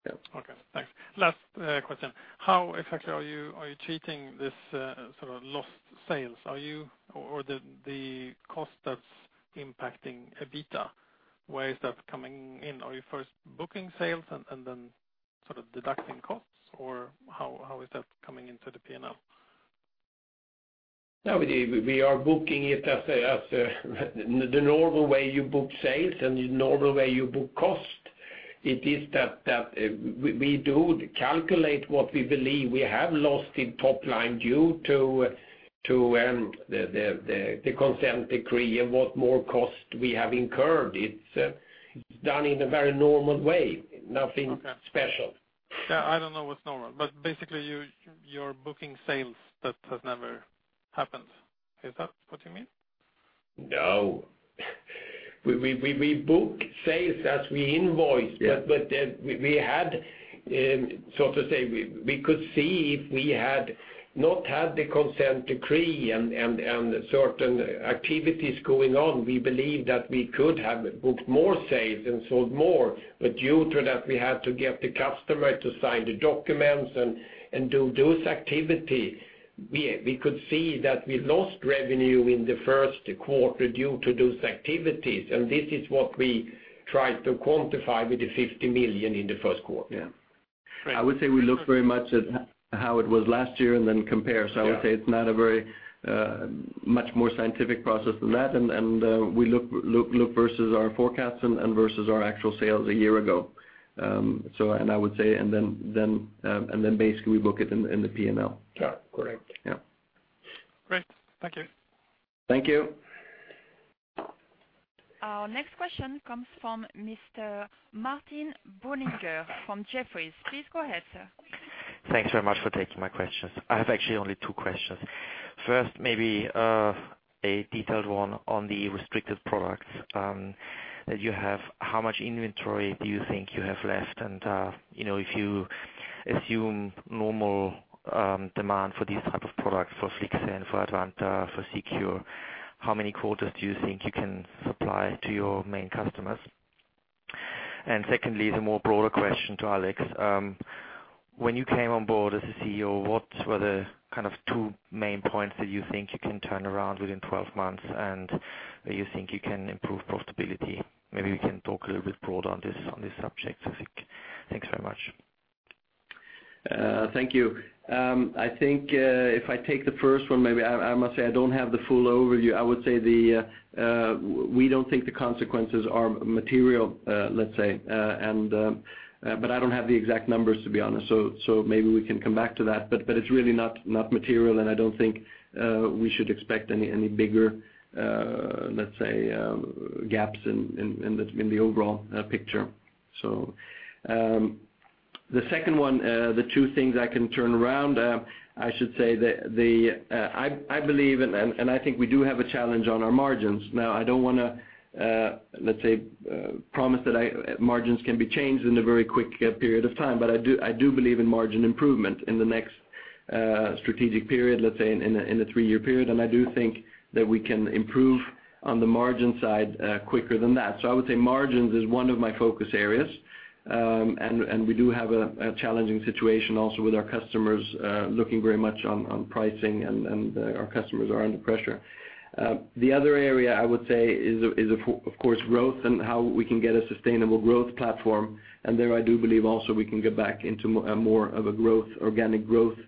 S2: Yeah.
S6: Okay. Thanks. Last question. How exactly are you treating this sort of lost sales? Are you or the cost that's impacting EBITDA, where is that coming in? Are you first booking sales and then sort of deducting costs? Or how is that coming into the P&L?
S3: Now, we are booking it as the normal way you book sales, and the normal way you book cost. It is that we do calculate what we believe we have lost in top line due to the Consent Decree and what more cost we have incurred. It's done in a very normal way, nothing special.
S6: Okay. Yeah, I don't know what's normal, but basically, you're booking sales that has never happened. Is that what you mean?
S3: No. We book sales as we invoice.
S2: Yeah.
S3: But then we had, so to say, we could see if we had not had the Consent Decree and certain activities going on, we believe that we could have booked more sales and sold more. But due to that, we had to get the customer to sign the documents and do those activities. We could see that we lost revenue in the first quarter due to those activities, and this is what we tried to quantify with the 50 million in the first quarter.
S2: Yeah.
S6: Great.
S2: I would say we look very much at how it was last year and then compare.
S3: Yeah.
S2: So I would say it's not a very much more scientific process than that, and we look versus our forecasts and versus our actual sales a year ago, and I would say, and then basically we book it in the P&L.
S3: Yeah, correct.
S2: Yeah.
S6: Great. Thank you.
S2: Thank you.
S1: Our next question comes from Mr. Martin Brunninger from Jefferies. Please go ahead, sir.
S7: Thanks very much for taking my questions. I have actually only two questions. First, maybe, a detailed one on the restricted products, that you have. How much inventory do you think you have left? And, you know, if you assume normal, demand for these type of products, for Flixene, for Advanta, for, <inaudible> how many quarters do you think you can supply to your main customers? And secondly, the more broader question to Alex, when you came on board as a CEO, what were the kind of two main points that you think you can turn around within 12 months, and where you think you can improve profitability? Maybe we can talk a little bit broad on this, on this subject, I think. Thanks very much.
S2: Thank you. I think if I take the first one, maybe I must say I don't have the full overview. I would say we don't think the consequences are material, let's say, but I don't have the exact numbers, to be honest, so maybe we can come back to that. But it's really not material, and I don't think we should expect any bigger gaps in the overall picture. The second one, the two things I can turn around, I should say the I believe, and I think we do have a challenge on our margins. Now, I don't wanna, let's say, promise that margins can be changed in a very quick period of time, but I do, I do believe in margin improvement in the next strategic period, let's say in a, in a three-year period. And I do think that we can improve on the margin side, quicker than that. So I would say margins is one of my focus areas. And we do have a challenging situation also with our customers, looking very much on pricing, and our customers are under pressure. The other area I would say is, of course, growth and how we can get a sustainable growth platform, and there I do believe also we can get back into more of a growth, organic growth,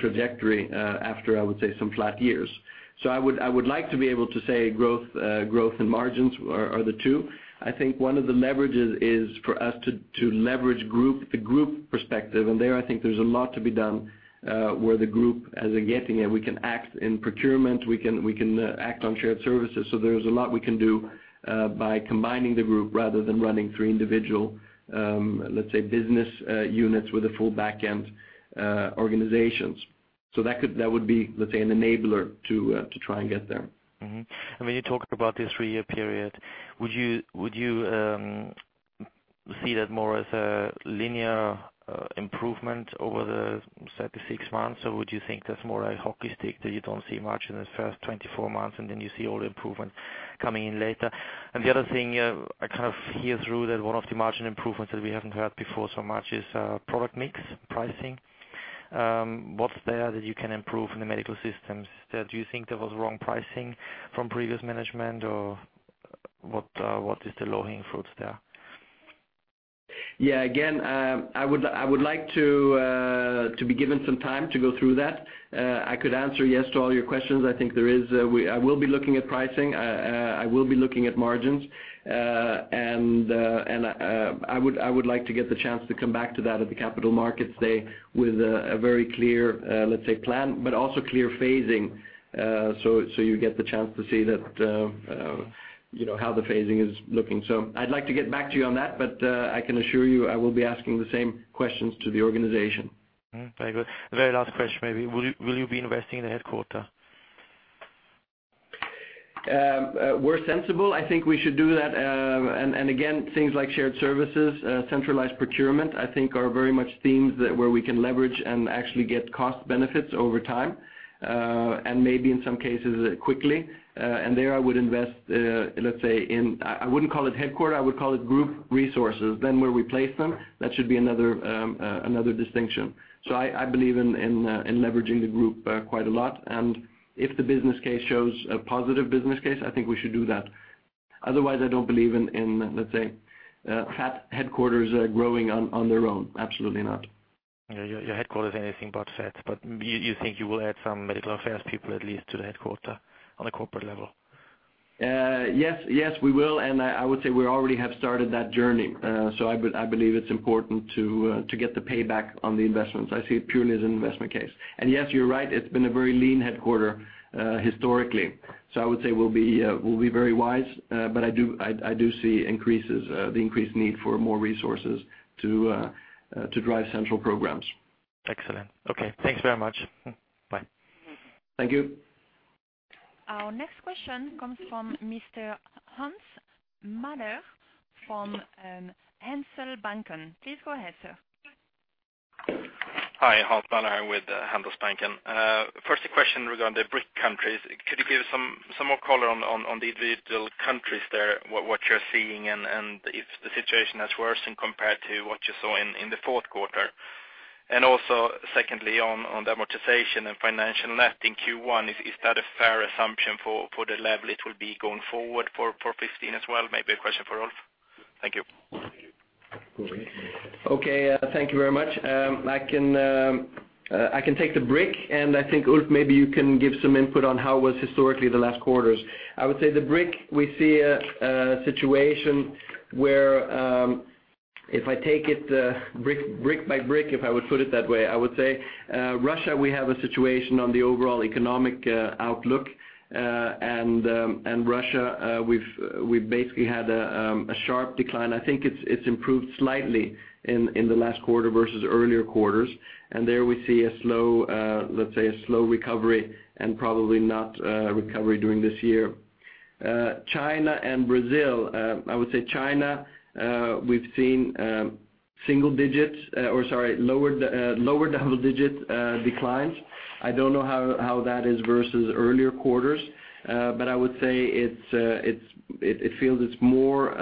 S2: trajectory, after, I would say, some flat years. So I would like to be able to say growth and margins are the two. I think one of the leverages is for us to leverage the group perspective, and there, I think there's a lot to be done, where the group, as a Getinge, we can act in procurement, we can act on shared services. So there's a lot we can do by combining the group rather than running three individual, let's say, business units with a full back-end organizations. That would be, let's say, an enabler to try and get there.
S7: And when you talk about the three year period, would you see that more as a linear improvement over, say, the six months? Or would you think that's more a hockey stick, that you don't see much in the first 24 months, and then you see all the improvement coming in later? And the other thing, I kind of hear through that one of the margin improvements that we haven't heard before so much is product mix pricing. What's there that you can improve in the Medical Systems? Do you think there was wrong pricing from previous management, or what is the low-hanging fruits there?
S2: Yeah, again, I would, I would like to to be given some time to go through that. I could answer yes to all your questions. I think there is, I will be looking at pricing, I will be looking at margins. And, and, I would, I would like to get the chance to come back to that at the Capital Markets Day with a, a very clear, let's say, plan, but also clear phasing. So, so you get the chance to see that, you know, how the phasing is looking. So I'd like to get back to you on that, but, I can assure you, I will be asking the same questions to the organization.
S7: Very good. Very last question, maybe. Will you, will you be investing in the headquarters?
S2: We're sensible. I think we should do that. And again, things like shared services, centralized procurement, I think are very much themes that where we can leverage and actually get cost benefits over time. And maybe in some cases, quickly. And there, I would invest, let's say, I wouldn't call it headquarter, I would call it group resources. Then where we place them, that should be another distinction. So I believe in leveraging the group quite a lot. And if the business case shows a positive business case, I think we should do that. Otherwise, I don't believe in, let's say, fat headquarters growing on their own. Absolutely not.
S7: Yeah, your headquarters are anything but fat, but you think you will add some medical affairs people, at least, to the headquarters on a corporate level?
S2: Yes, yes, we will. And I would say we already have started that journey. So I believe it's important to get the payback on the investments. I see it purely as an investment case. And yes, you're right, it's been a very lean headquarters historically. So I would say we'll be very wise, but I do see increases, the increased need for more resources to drive central programs.
S7: Excellent. Okay, thanks very much. Mm, bye.
S2: Thank you.
S1: Our next question comes from Mr. Hans Mähler from Handelsbanken. Please go ahead, sir.
S8: Hi, Hans Mähler with Handelsbanken. First, a question regarding the BRIC countries. Could you give some more color on the individual countries there, what you're seeing, and if the situation has worsened compared to what you saw in the fourth quarter? And also, secondly, on the amortization and financial net in Q1, is that a fair assumption for the level it will be going forward for 2015 as well? Maybe a question for Ulf. Thank you.
S2: Okay, thank you very much. I can take the BRIC, and I think, Ulf, maybe you can give some input on how it was historically the last quarters. I would say the BRIC, we see a situation where, if I take it, BRIC, BRIC by BRIC, if I would put it that way, I would say, Russia, we have a situation on the overall economic outlook. And, and Russia, we basically had a sharp decline. I think it's improved slightly in the last quarter versus earlier quarters. And there we see a slow, let's say, a slow recovery and probably not recovery during this year. China and Brazil, I would say China, we've seen single digits, or sorry, lower double-digit declines. I don't know how that is versus earlier quarters, but I would say it feels more,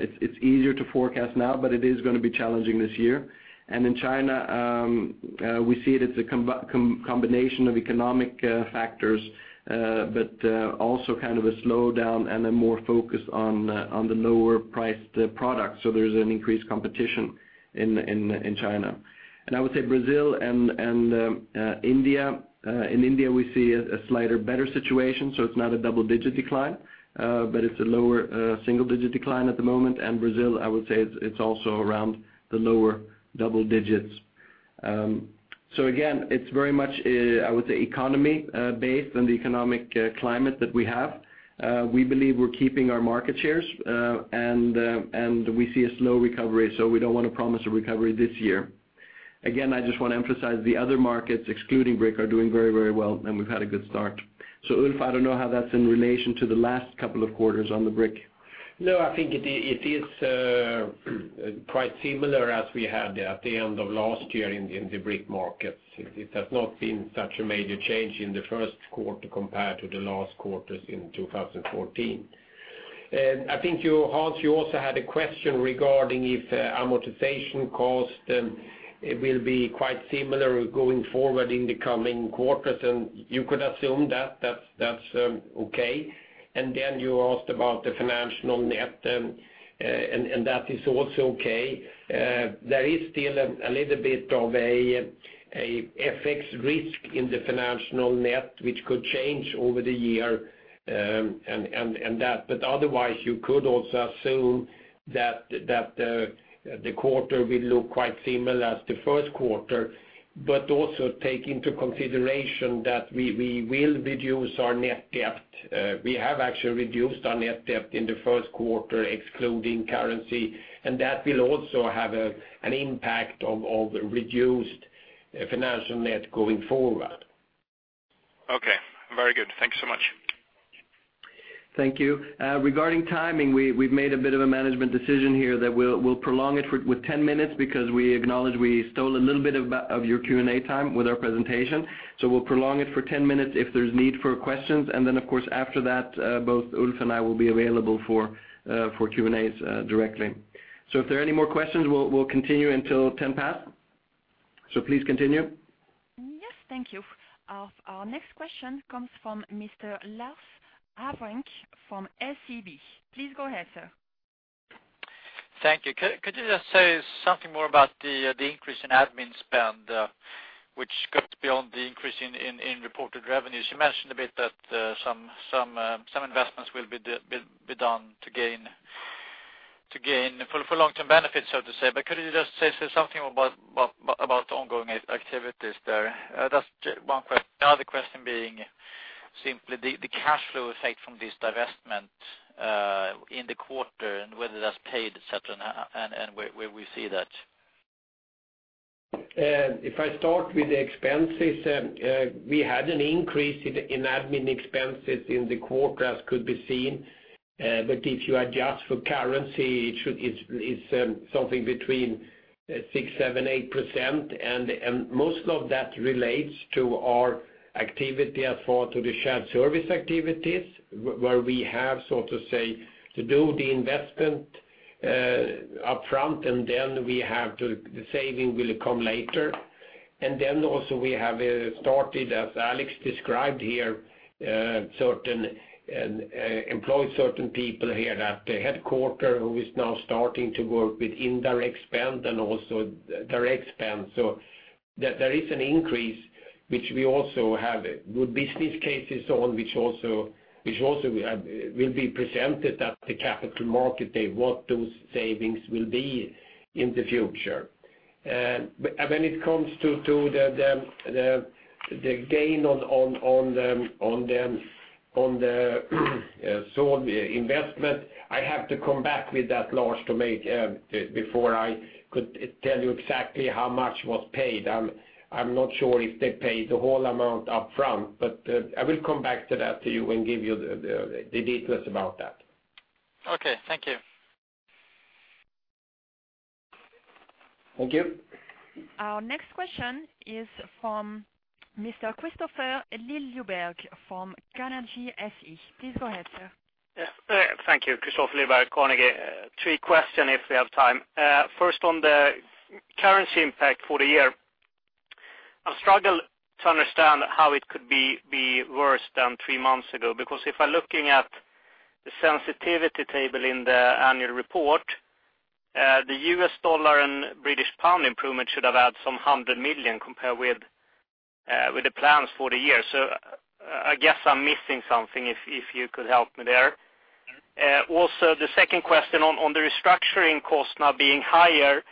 S2: it's easier to forecast now, but it is going to be challenging this year. And in China, we see it as a combination of economic factors, but also kind of a slowdown and a more focus on the lower-priced products. So there's an increased competition in China. And I would say Brazil and India. In India, we see a slightly better situation, so it's not a double-digit decline, but it's a lower single-digit decline at the moment. And Brazil, I would say it's also around the lower double digits. So again, it's very much, I would say, economy based on the economic climate that we have. We believe we're keeping our market shares, and we see a slow recovery, so we don't want to promise a recovery this year. Again, I just want to emphasize, the other markets, excluding BRIC, are doing very, very well, and we've had a good start. So Ulf, I don't know how that's in relation to the last couple of quarters on the BRIC.
S3: No, I think it is quite similar as we had at the end of last year in the BRIC markets. It has not been such a major change in the first quarter compared to the last quarters in 2014. And I think you, Hans, you also had a question regarding if amortization cost it will be quite similar going forward in the coming quarters, and you could assume that. That's okay. And then you asked about the financial net, and that is also okay. There is still a little bit of a FX risk in the financial net, which could change over the year, and that. But otherwise, you could also assume that the quarter will look quite similar as the first quarter, but also take into consideration that we will reduce our net debt. We have actually reduced our net debt in the first quarter, excluding currency, and that will also have an impact of reduced financial net going forward.
S8: Okay, very good. Thank you so much.
S2: Thank you. Regarding timing, we've made a bit of a management decision here that we'll prolong it with 10 minutes because we acknowledge we stole a little bit of your Q&A time with our presentation. So we'll prolong it for 10 minutes if there's need for questions. And then, of course, after that, both Ulf and I will be available for Q&A directly. So if there are any more questions, we'll continue until 10 past. So please continue.
S1: Yes, thank you. Our next question comes from Mr. Lars Hevreng from SEB. Please go ahead, sir.
S9: Thank you. Could you just say something more about the increase in admin spend, which goes beyond the increase in reported revenues? You mentioned a bit that some investments will be done to gain for long-term benefits, so to say. But could you just say something about the ongoing activities there? That's one question. The other question being simply the cash flow effect from this divestment in the quarter, and whether that's paid, et cetera, and where we see that?
S3: If I start with the expenses, we had an increase in admin expenses in the quarter, as could be seen. But if you adjust for currency, it's something between 6%-8%. And most of that relates to our activity as for to the shared service activities, where we have, so to say, to do the investment upfront, and then the saving will come later. And then also we have started, as Alex described here, employed certain people here at the headquarters, who is now starting to work with indirect spend and also direct spend. So that there is an increase, which we also have good business cases on, which also will be presented at the Capital Markets Day, what those savings will be in the future. But when it comes to the gain on the sold investment, I have to come back with that, Lars, before I could tell you exactly how much was paid. I'm not sure if they paid the whole amount upfront, but I will come back to that to you and give you the details about that.
S9: Okay, thank you.
S3: Thank you.
S1: Our next question is from Mr. Kristofer Liljeberg from Carnegie SE. Please go ahead, sir.
S10: Yes, thank you. Kristofer Liljeberg, Carnegie. Three questions if we have time. First, on the currency impact for the year, I struggle to understand how it could be worse than three months ago, because if I'm looking at the sensitivity table in the annual report, the U.S. dollar and British pound improvement should have added some 100 million compared with the plans for the year. So I guess I'm missing something, if you could help me there. Also, the second question on the restructuring cost now being higher,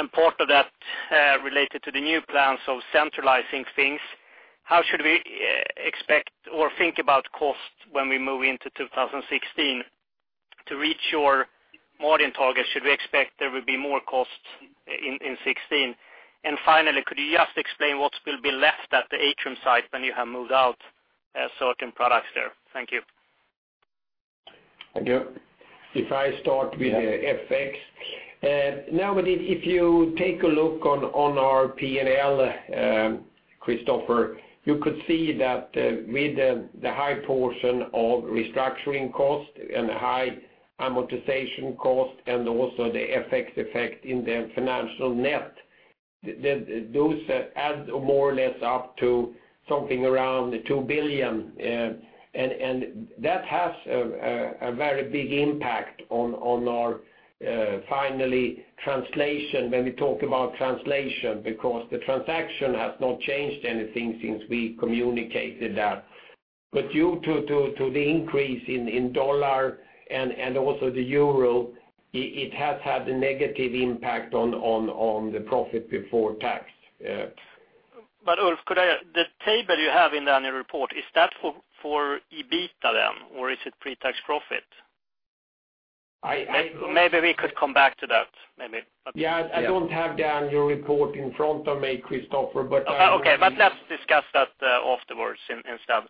S10: and part of that related to the new plans of centralizing things, how should we expect or think about costs when we move into 2016? To reach your margin target, should we expect there will be more costs in 2016? Finally, could you just explain what will be left at the Atrium site when you have moved out certain products there? Thank you.
S3: Thank you. If I start with the FX, now, with it, if you take a look on, on our P&L, Kristofer, you could see that, with the high portion of restructuring costs and high amortization costs, and also the FX effect in the financial net, that those add more or less up to something around 2 billion. And that has a very big impact on, on our, finally, translation, when we talk about translation, because the transaction has not changed anything since we communicated that. But due to the increase in dollar and also the euro, it has had a negative impact on, on the profit before tax.
S10: But Ulf, could I-- The table you have in the annual report, is that for EBITDA then, or is it pre-tax profit?
S3: I, I-
S10: Maybe we could come back to that, maybe.
S3: Yeah, I don't have the annual report in front of me, Kristofer, but I-
S10: Okay, but let's discuss that afterwards instead.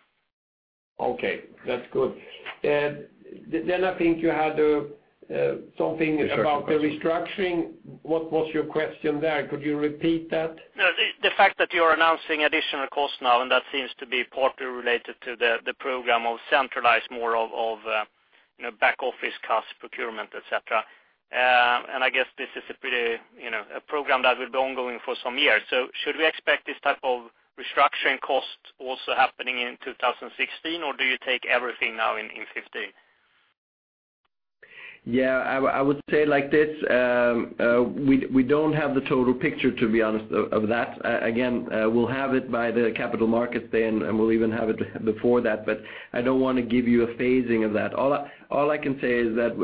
S3: Okay, that's good. Then I think you had something about-
S2: Restructuring
S3: -the restructuring. What was your question there? Could you repeat that?
S10: No, the fact that you're announcing additional costs now, and that seems to be partly related to the program of centralize more of, you know, back office costs, procurement, et cetera. And I guess this is a pretty, you know, a program that will be ongoing for some years. So should we expect this type of restructuring costs also happening in 2016, or do you take everything now in 2015?
S2: Yeah, I would say like this, we don't have the total picture, to be honest, of that. Again, we'll have it by the Capital Markets Day, and we'll even have it before that, but I don't want to give you a phasing of that. All I can say is that,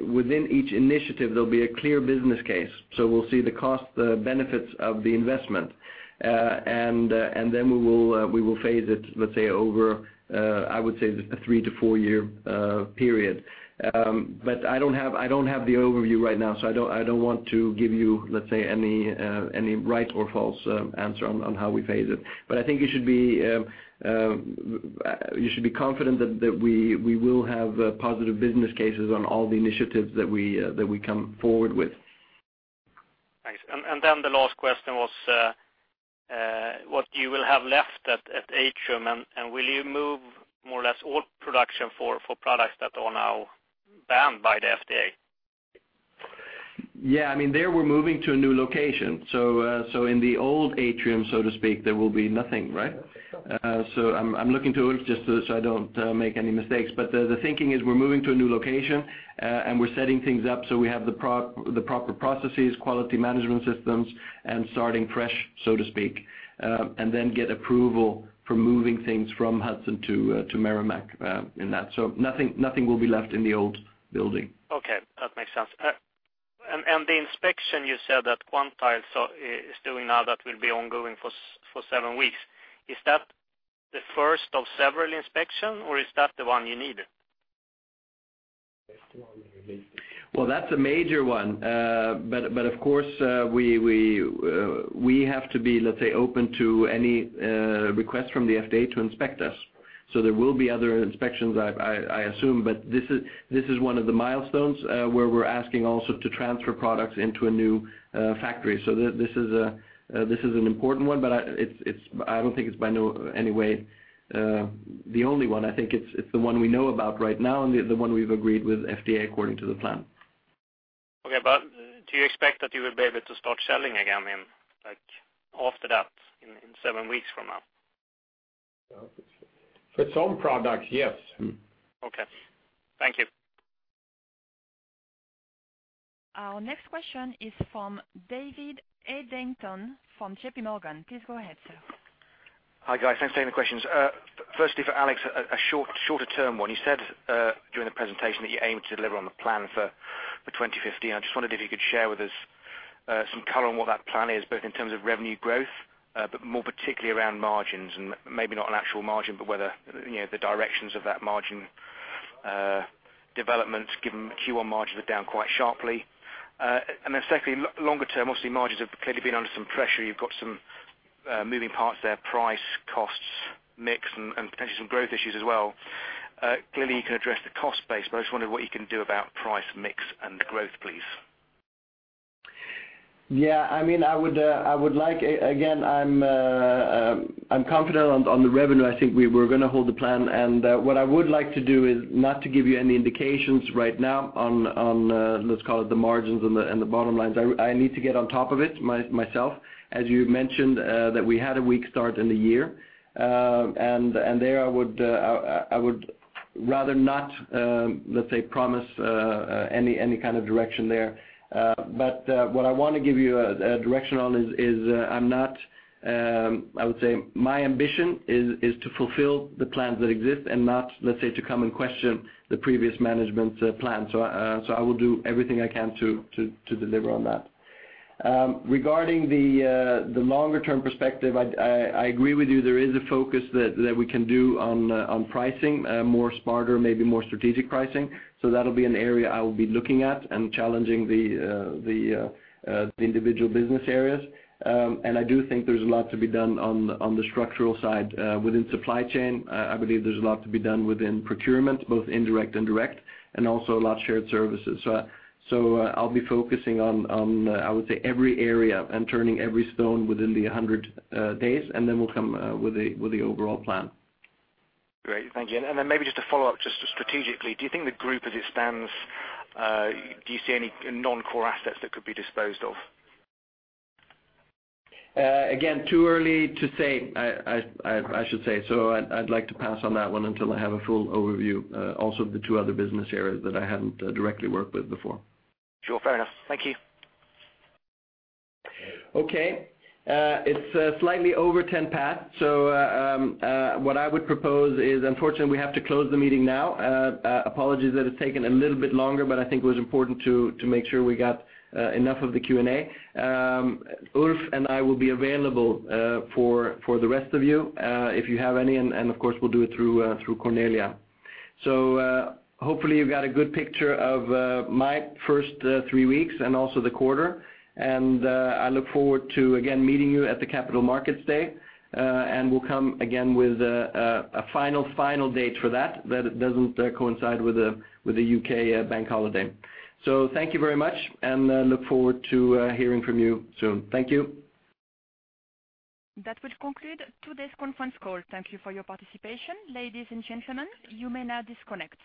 S2: within each initiative, there'll be a clear business case. So we'll see the cost, the benefits of the investment. And then we will phase it, let's say, over, I would say, a three to four year period. But I don't have the overview right now, so I don't want to give you, let's say, any right or false answer on how we phase it. But I think you should be confident that we will have positive business cases on all the initiatives that we come forward with.
S10: Thanks. And then the last question was, what you will have left at Atrium, and will you move more or less all production for products that are now banned by the FDA?
S2: Yeah, I mean, we're moving to a new location. So, so in the old Atrium, so to speak, there will be nothing, right? So I'm, I'm looking to Ulf, just so I don't make any mistakes. But the, the thinking is we're moving to a new location, and we're setting things up, so we have the pro- the proper processes, quality management systems, and starting fresh, so to speak, and then get approval for moving things from Hudson to, to Merrimack, in that. So nothing, nothing will be left in the old building.
S10: Okay, that makes sense. And the inspection you said that Quintiles is doing now, that will be ongoing for seven weeks. Is that the first of several inspection or is that the one you needed?
S2: Well, that's a major one. But of course, we have to be, let's say, open to any request from the FDA to inspect us. So there will be other inspections, I assume, but this is one of the milestones where we're asking also to transfer products into a new factory. So this is an important one, but I don't think it's by no any way the only one. I think it's the one we know about right now, and the one we've agreed with FDA, according to the plan.
S10: Okay, but do you expect that you will be able to start selling again in, like, after that, in seven weeks from now?
S2: For some products, yes.
S10: Okay. Thank you.
S1: Our next question is from David Adlington from J.P. Morgan. Please go ahead, sir.
S11: Hi, guys. Thanks for taking the questions. Firstly, for Alex, a shorter term one. You said during the presentation that you aim to deliver on the plan for 2015. I just wondered if you could share with us some color on what that plan is, both in terms of revenue growth, but more particularly around margins, and maybe not on actual margin, but whether, you know, the directions of that margin development, given Q1 margins are down quite sharply. And then secondly, longer term, obviously, margins have clearly been under some pressure. You've got some moving parts there, price, costs, mix, and potentially some growth issues as well. Clearly, you can address the cost base, but I just wondered what you can do about price, mix, and growth, please.
S2: Yeah, I mean, I would like. Again, I'm confident on the revenue. I think we're gonna hold the plan. And what I would like to do is not to give you any indications right now on, let's call it the margins and the bottom lines. I need to get on top of it myself. As you've mentioned, that we had a weak start in the year, and there I would rather not, let's say, promise any kind of direction there. But what I want to give you a direction on is, I'm not, I would say my ambition is to fulfill the plans that exist and not, let's say, to come and question the previous management's plan. So I will do everything I can to deliver on that. Regarding the longer term perspective, I agree with you. There is a focus that we can do on pricing, more smarter, maybe more strategic pricing. So that'll be an area I will be looking at and challenging the individual business areas. And I do think there's a lot to be done on the structural side. Within supply chain, I believe there's a lot to be done within procurement, both indirect and direct, and also a lot of shared services. I'll be focusing on, I would say, every area and turning every stone within 100 days, and then we'll come with the overall plan.
S11: Great. Thank you. Maybe just to follow up, just strategically, do you think the group as it stands, do you see any non-core assets that could be disposed of?
S2: Again, too early to say, I should say. So I'd like to pass on that one until I have a full overview, also of the two other business areas that I hadn't directly worked with before.
S11: Sure, fair enough. Thank you.
S2: Okay, it's slightly over 10 past, so what I would propose is, unfortunately, we have to close the meeting now. Apologies that it's taken a little bit longer, but I think it was important to make sure we got enough of the Q&A. Ulf and I will be available for the rest of you if you have any, and of course, we'll do it through Kornelia. So, hopefully, you've got a good picture of my first three weeks and also the quarter. And I look forward to, again, meeting you at the Capital Markets Day. And we'll come again with a final date for that, that it doesn't coincide with the U.K. Bank holiday. So thank you very much, and look forward to hearing from you soon. Thank you.
S1: That will conclude today's conference call. Thank you for your participation. Ladies and gentlemen, you may now disconnect.